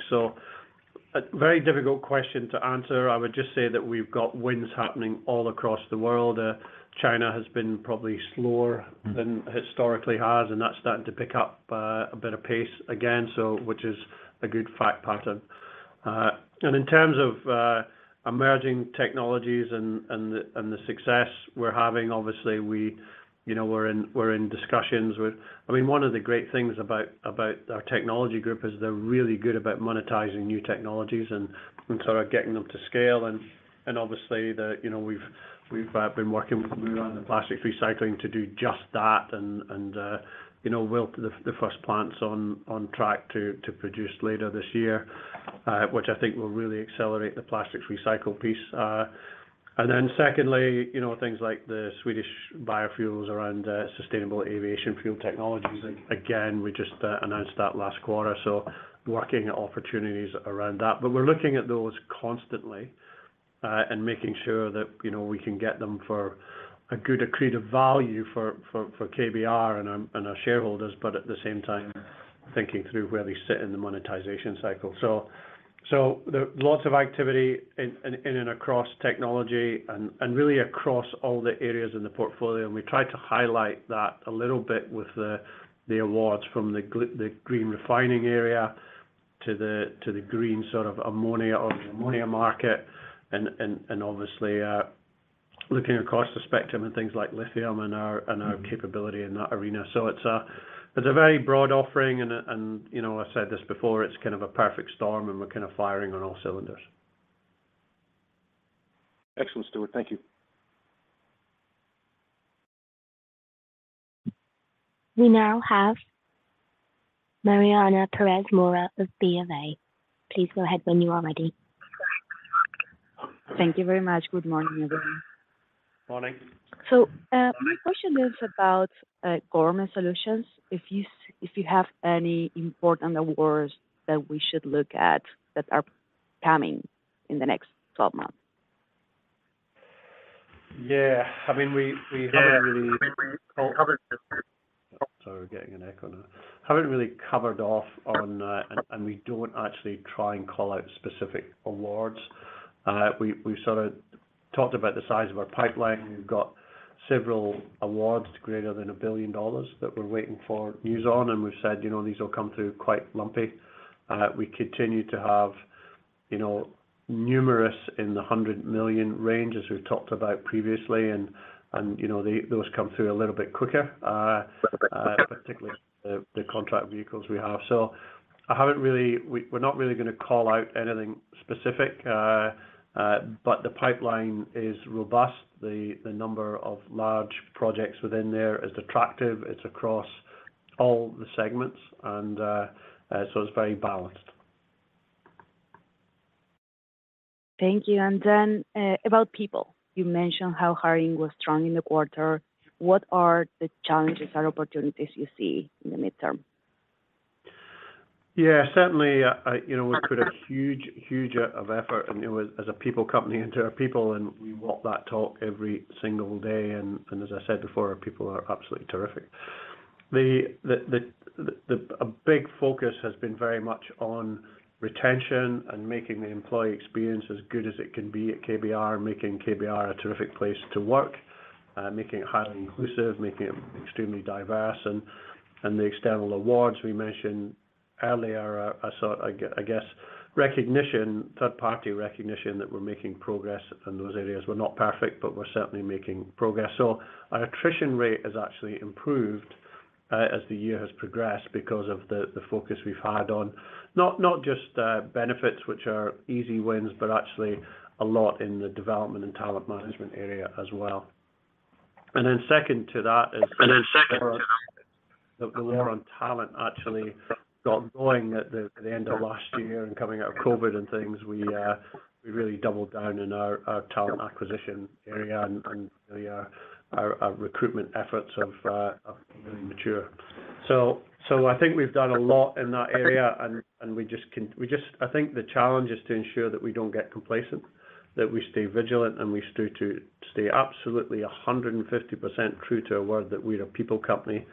A very difficult question to answer. I would just say that we've got wins happening all across the world. China has been probably slower than historically has, and that's starting to pick up a bit of pace again, so which is a good fact pattern. In terms of emerging technologies and the success we're having, obviously, we, you know, we're in discussions with I mean, one of the great things about our technology group is they're really good about monetizing new technologies and sort of getting them to scale. Obviously, you know, we've been working around the Plastics recycling to do just that. You know, we're the first plant's on track to produce later this year, which I think will really accelerate the plastics recycle piece. Secondly, you know, things like the Swedish Biofuels around Sustainable Aviation Fuel technologies. We just announced that last quarter, so working opportunities around that. We're looking at those constantly, and making sure that, you know, we can get them for a good accretive value for KBR and our shareholders, but at the same time, thinking through where they sit in the monetization cycle. There are lots of activity in and across technology and really across all the areas in the portfolio, and we try to highlight that a little bit with the awards from the green refining area to the green sort of ammonia or the ammonia market, and obviously looking across the spectrum and things like lithium and our capability in that arena. It's a very broad offering and, you know, I've said this before, it's kind of a perfect storm, and we're kind of firing on all cylinders. Excellent, Stuart. Thank you. We now have Mariana Perez Mora of Bank of America. Please go ahead when you are ready. Thank you very much. Good morning, everyone. Morning. My question is about Government Solutions. If you have any important awards that we should look at that are coming in the next 12 months. I mean, Sorry, we're getting an echo now. Haven't really covered off on that. We don't actually try and call out specific awards. We sort of talked about the size of our pipeline. We've got several awards greater than $1 billion that we're waiting for news on. We've said, you know, these will come through quite lumpy. We continue to have, you know, numerous in the $100 million range, as we've talked about previously, and, you know, those come through a little bit quicker, particularly the contract vehicles we have. I haven't really. We're not really gonna call out anything specific, but the pipeline is robust. The number of large projects within there is attractive. It's across all the segments, and so it's very balanced. Thank you. Then, about people. You mentioned how hiring was strong in the quarter. What are the challenges or opportunities you see in the midterm? Yeah, certainly, you know, we put a huge, huge of effort, you know, as, as a people company into our people, we walk that talk every single day, as I said before, our people are absolutely terrific. A big focus has been very much on retention and making the employee experience as good as it can be at KBR, making KBR a terrific place to work, making it highly inclusive, making it extremely diverse. The external awards we mentioned earlier are a sort, I guess, recognition, third-party recognition, that we're making progress in those areas. We're not perfect, but we're certainly making progress. Our attrition rate has actually improved as the year has progressed because of the focus we've had on not just benefits, which are easy wins, but actually a lot in the development and talent management area as well. Second to that is the war on talent actually got going at the end of last year and coming out of COVID and things, we really doubled down in our talent acquisition area and really our recruitment efforts have really mature. I think we've done a lot in that area, and we just. I think the challenge is to ensure that we don't get complacent, that we stay vigilant, and to stay absolutely 150% true to our word, that we're a people company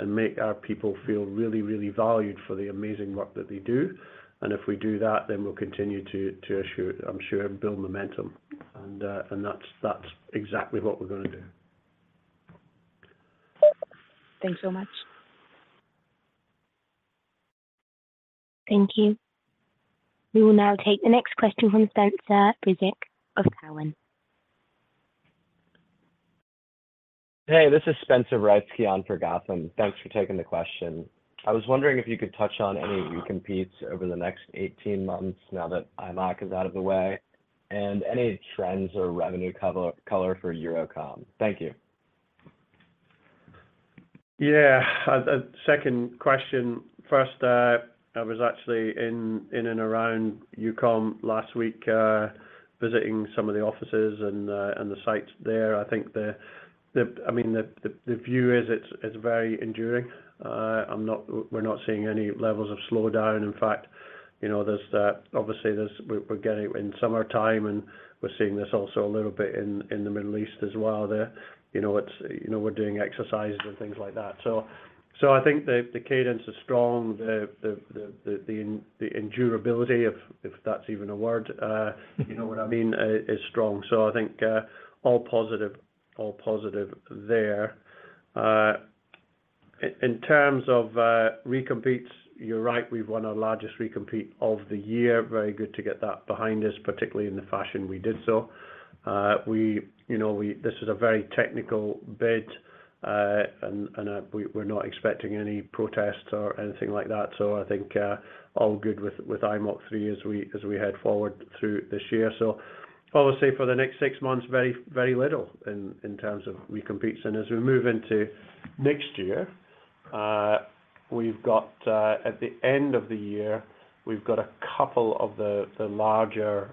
and make our people feel really, really valued for the amazing work that they do. If we do that, then we'll continue to issue, I'm sure, build momentum, and that's exactly what we're gonna do. Thanks so much. Thank you. We will now take the next question from Spencer Ryczik of Guggenheim. This is Spencer Ryczik on for Guggenheim. Thanks for taking the question. I was wondering if you could touch on any of your competes over the next 18 months now that IMOC is out of the way, and any trends or revenue cover, color for EUCOM. Thank you. Yeah. The second question first, I was actually in and around EUCOM last week, visiting some of the offices and the sites there. I think I mean, the view is it's very enduring. We're not seeing any levels of slowdown. In fact, you know, obviously, we're getting in summertime, and we're seeing this also a little bit in the Middle East as well there. You know, we're doing exercises and things like that. I think the cadence is strong, the endurability, if that's even a word, you know what I mean, is strong. I think all positive, all positive there. In terms of recompetes, you're right, we've won our largest recompete of the year. Very good to get that behind us, particularly in the fashion we did so. We, you know, this is a very technical bid, and we're not expecting any protests or anything like that. I think all good with IMOC III as we head forward through this year. I would say for the next 6 months, very little in terms of recompetes. As we move into next year, we've got at the end of the year, we've got a couple of the larger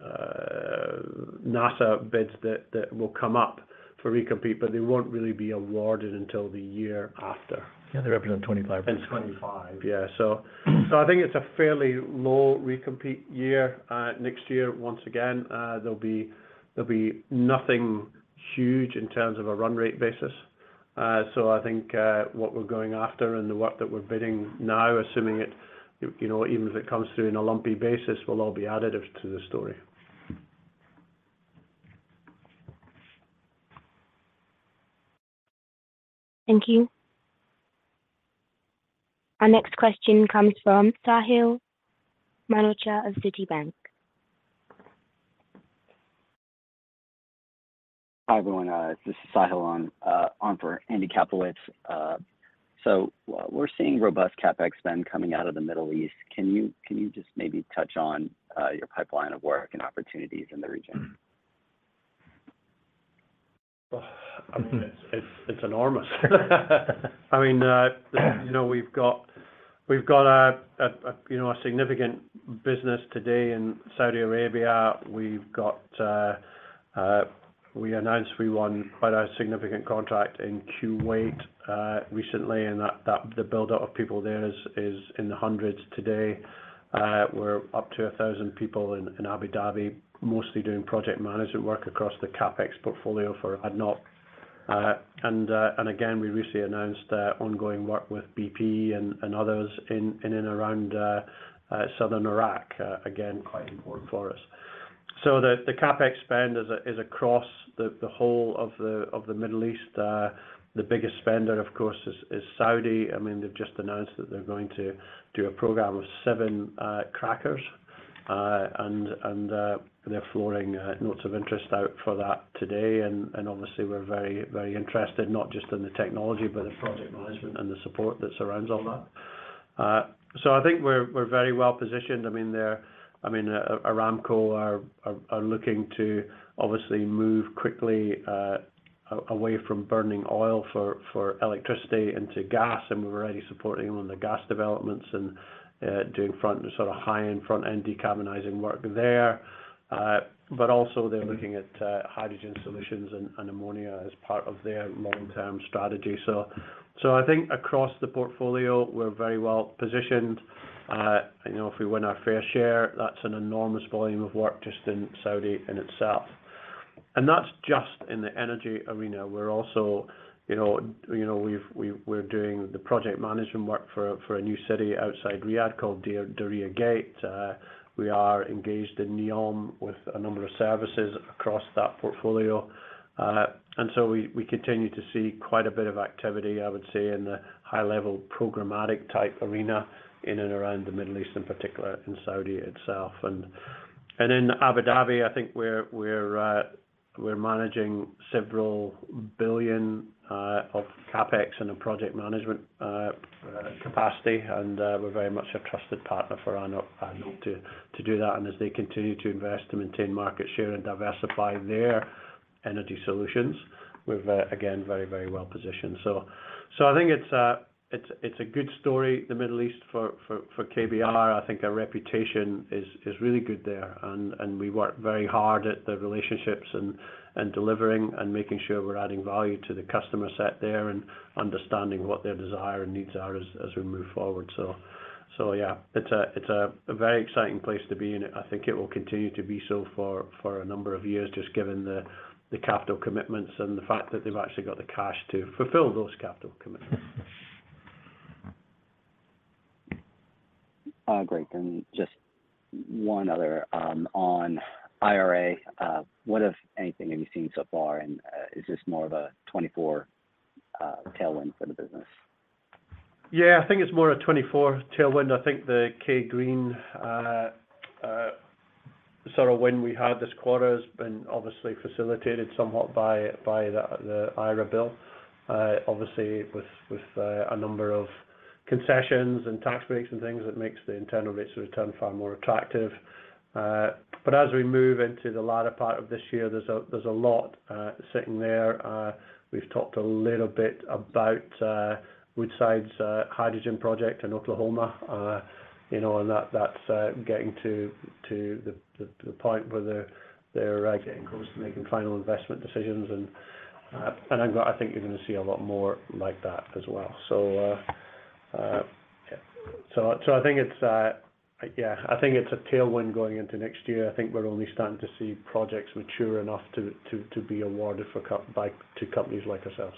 NASA bids that will come up for recompete, they won't really be awarded until the year after. Yeah, they represent 25 25. Yeah, so I think it's a fairly low recompete year. Next year, once again, there'll be nothing huge in terms of a run rate basis. I think what we're going after and the work that we're bidding now, assuming it, you know, even if it comes through in a lumpy basis, will all be additive to the story. Thank you. Our next question comes from Sahil Manocha of Citibank. Hi, everyone, this is Sahil on, on for Andy Kaplowitz. We're seeing robust CapEx spend coming out of the Middle East. Can you just maybe touch on your pipeline of work and opportunities in the region? I mean, it's enormous. I mean, you know, we've got a, you know, a significant business today in Saudi Arabia. We've got, we announced we won quite a significant contract in Kuwait recently, and the buildup of people there is in the hundreds today. We're up to 1,000 people in Abu Dhabi, mostly doing project management work across the CapEx portfolio for ADNOC. Again, we recently announced the ongoing work with BP and others in and around southern Iraq, again, quite important for us. The CapEx spend is across the whole of the Middle East. The biggest spender, of course, is Saudi. I mean, they've just announced that they're going to do a program of seven crackers and they're flooring notes of interest out for that today, and obviously, we're very, very interested, not just in the technology, but the project management and the support that surrounds all that. I think we're very well positioned. Aramco are looking to obviously move quickly away from burning oil for electricity into gas, and we're already supporting them on the gas developments and doing front, sort of, high-end front-end decarbonizing work there. Also they're looking at hydrogen solutions and ammonia as part of their long-term strategy. I think across the portfolio, we're very well positioned. you know, if we win our fair share, that's an enormous volume of work just in Saudi in itself. That's just in the energy arena. We're also, you know, you know, we're doing the project management work for, for a new city outside Riyadh, called Diriyah Gate. We are engaged in NEOM with a number of services across that portfolio. We continue to see quite a bit of activity, I would say, in the high-level programmatic type arena, in and around the Middle East, in particular, in Saudi itself. In Abu Dhabi, I think we're managing several billion of CapEx in a project management capacity, and we're very much a trusted partner for ADNOC to do that. As they continue to invest to maintain market share and diversify their energy solutions, we're again, very well positioned. I think it's a good story, the Middle East, for KBR. I think our reputation is really good there, and we work very hard at the relationships and delivering, and making sure we're adding value to the customer set there, and understanding what their desire and needs are as we move forward. Yeah, it's a very exciting place to be, and I think it will continue to be so for a number of years, just given the capital commitments and the fact that they've actually got the cash to fulfill those capital commitments. Great. just one other, on IRA. What, if anything, have you seen so far, and, is this more of a 2024 tailwind for the business? Yeah, I think it's more a 2024 tailwind. I think the K-GreeN, sort of, wind we had this quarter has been obviously facilitated somewhat by the IRA bill. Obviously, with a number of concessions and tax breaks and things, it makes the internal rates of return far more attractive. As we move into the latter part of this year, there's a lot sitting there. We've talked a little bit about Woodside's hydrogen project in Oklahoma, you know, and that's getting to the point where they're getting close to making final investment decisions, and I think you're going to see a lot more like that as well. Yeah. So I think it's, yeah, I think it's a tailwind going into next year. I think we're only starting to see projects mature enough to be awarded by, to companies like ourselves.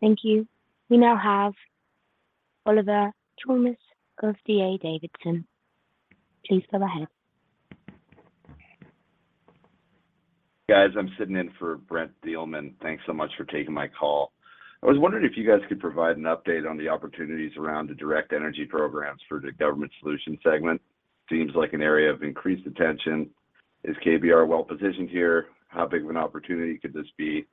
Thank you. We now have Oliver Chalmers of D.A. Davidson. Please go ahead. Guys, I'm sitting in for Brent Thielemann. Thanks so much for taking my call. I was wondering if you guys could provide an update on the opportunities around the directed energy programs for the Government Solutions segment. Seems like an area of increased attention. Is KBR well-positioned here? How big of an opportunity could this be?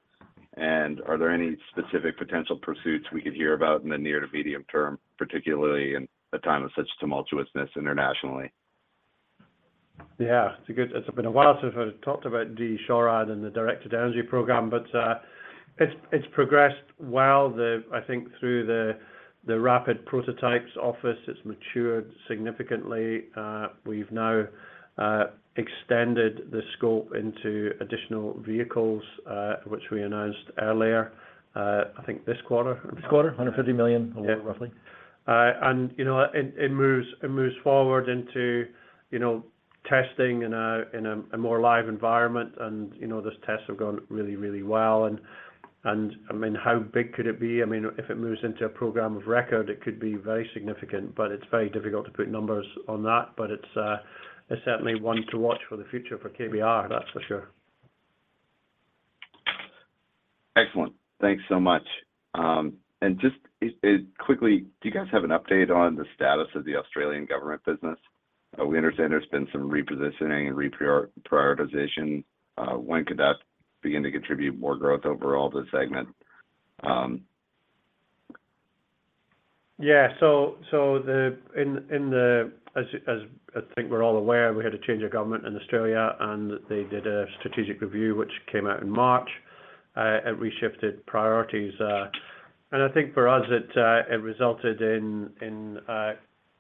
Are there any specific potential pursuits we could hear about in the near to medium term, particularly in a time of such tumultuousness internationally? It's been a while since I talked about DE M-SHORAD and the directed energy program, it's progressed well. I think, through the rapid prototypes office, it's matured significantly. We've now extended the scope into additional vehicles, which we announced earlier, I think this quarter. This quarter, $150 million- Yeah. roughly. You know, it, it moves, it moves forward into, you know, testing in a more live environment. You know, those tests have gone really, really well. I mean, how big could it be? I mean, if it moves into a program of record, it could be very significant, but it's very difficult to put numbers on that. It's certainly one to watch for the future for KBR, that's for sure. Excellent. Thanks so much. Just quickly, do you guys have an update on the status of the Australian government business? We understand there's been some repositioning and prioritization. When could that begin to contribute more growth overall to the segment? Yeah. As I think we're all aware, we had a change of government in Australia, and they did a strategic review, which came out in March. It reshifted priorities, and I think for us, it resulted in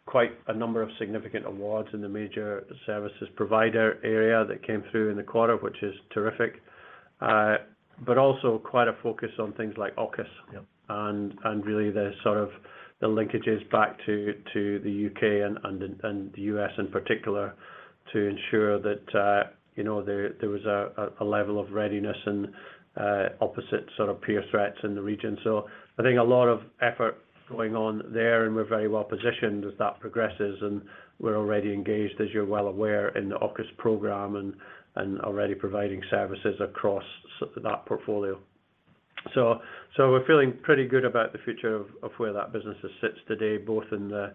quite a number of significant awards in the major services provider area that came through in the quarter, which is terrific. Also quite a focus on things like AUKUS. Yep - and really the sort of the linkages back to the UK and the US in particular, to ensure that, you know, there was a level of readiness and opposite sort of peer threats in the region. I think a lot of effort going on there, and we're very well positioned as that progresses, and we're already engaged, as you're well aware, in the AUKUS program and already providing services across that portfolio. We're feeling pretty good about the future of where that business sits today, both in the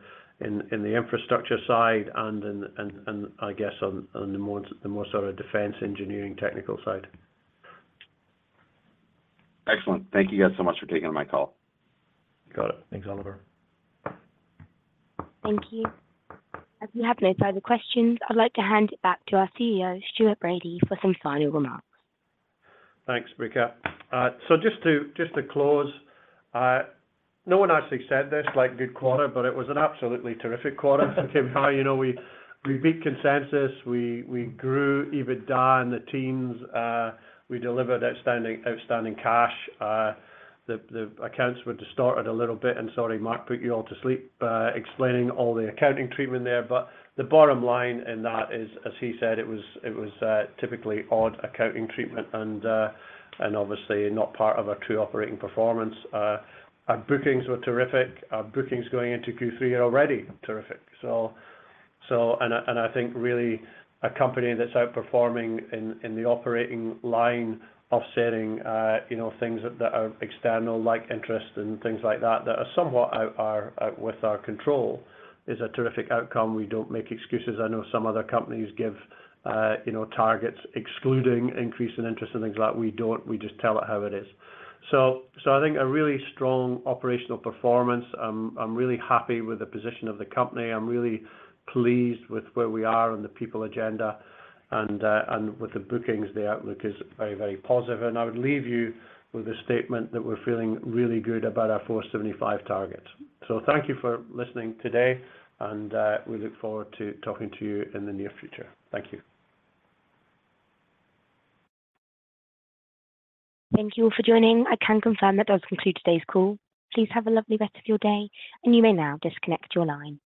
infrastructure side and in, and I guess on the more sort of defense, engineering, technical side. Excellent. Thank you guys so much for taking my call. Got it. Thanks, Oliver. Thank you. As we have no further questions, I'd like to hand it back to our CEO, Stuart Bradie, for some final remarks. Thanks, Mika. Just to, just to close, no one actually said this, like, good quarter, but it was an absolutely terrific quarter from KBR. You know, we, we beat consensus. We, we grew EBITDA and the teams. We delivered outstanding cash. The, the accounts were distorted a little bit, and sorry, Mark put you all to sleep, explaining all the accounting treatment there. The bottom line in that is, as he said, it was typically odd accounting treatment and obviously not part of our true operating performance. Our bookings were terrific. Our bookings going into Q3 are already terrific. I think really a company that's outperforming in the operating line, offsetting, you know, things that are external, like interest and things like that, that are somewhat out with our control, is a terrific outcome. We don't make excuses. I know some other companies give, you know, targets excluding increase in interest and things like that. We don't. We just tell it how it is. I think a really strong operational performance. I'm really happy with the position of the company. I'm really pleased with where we are on the people agenda, and with the bookings, the outlook is very, very positive. I would leave you with a statement that we're feeling really good about our 475 target. Thank you for listening today, and we look forward to talking to you in the near future. Thank you. Thank you all for joining. I can confirm that does conclude today's call. Please have a lovely rest of your day, and you may now disconnect your line.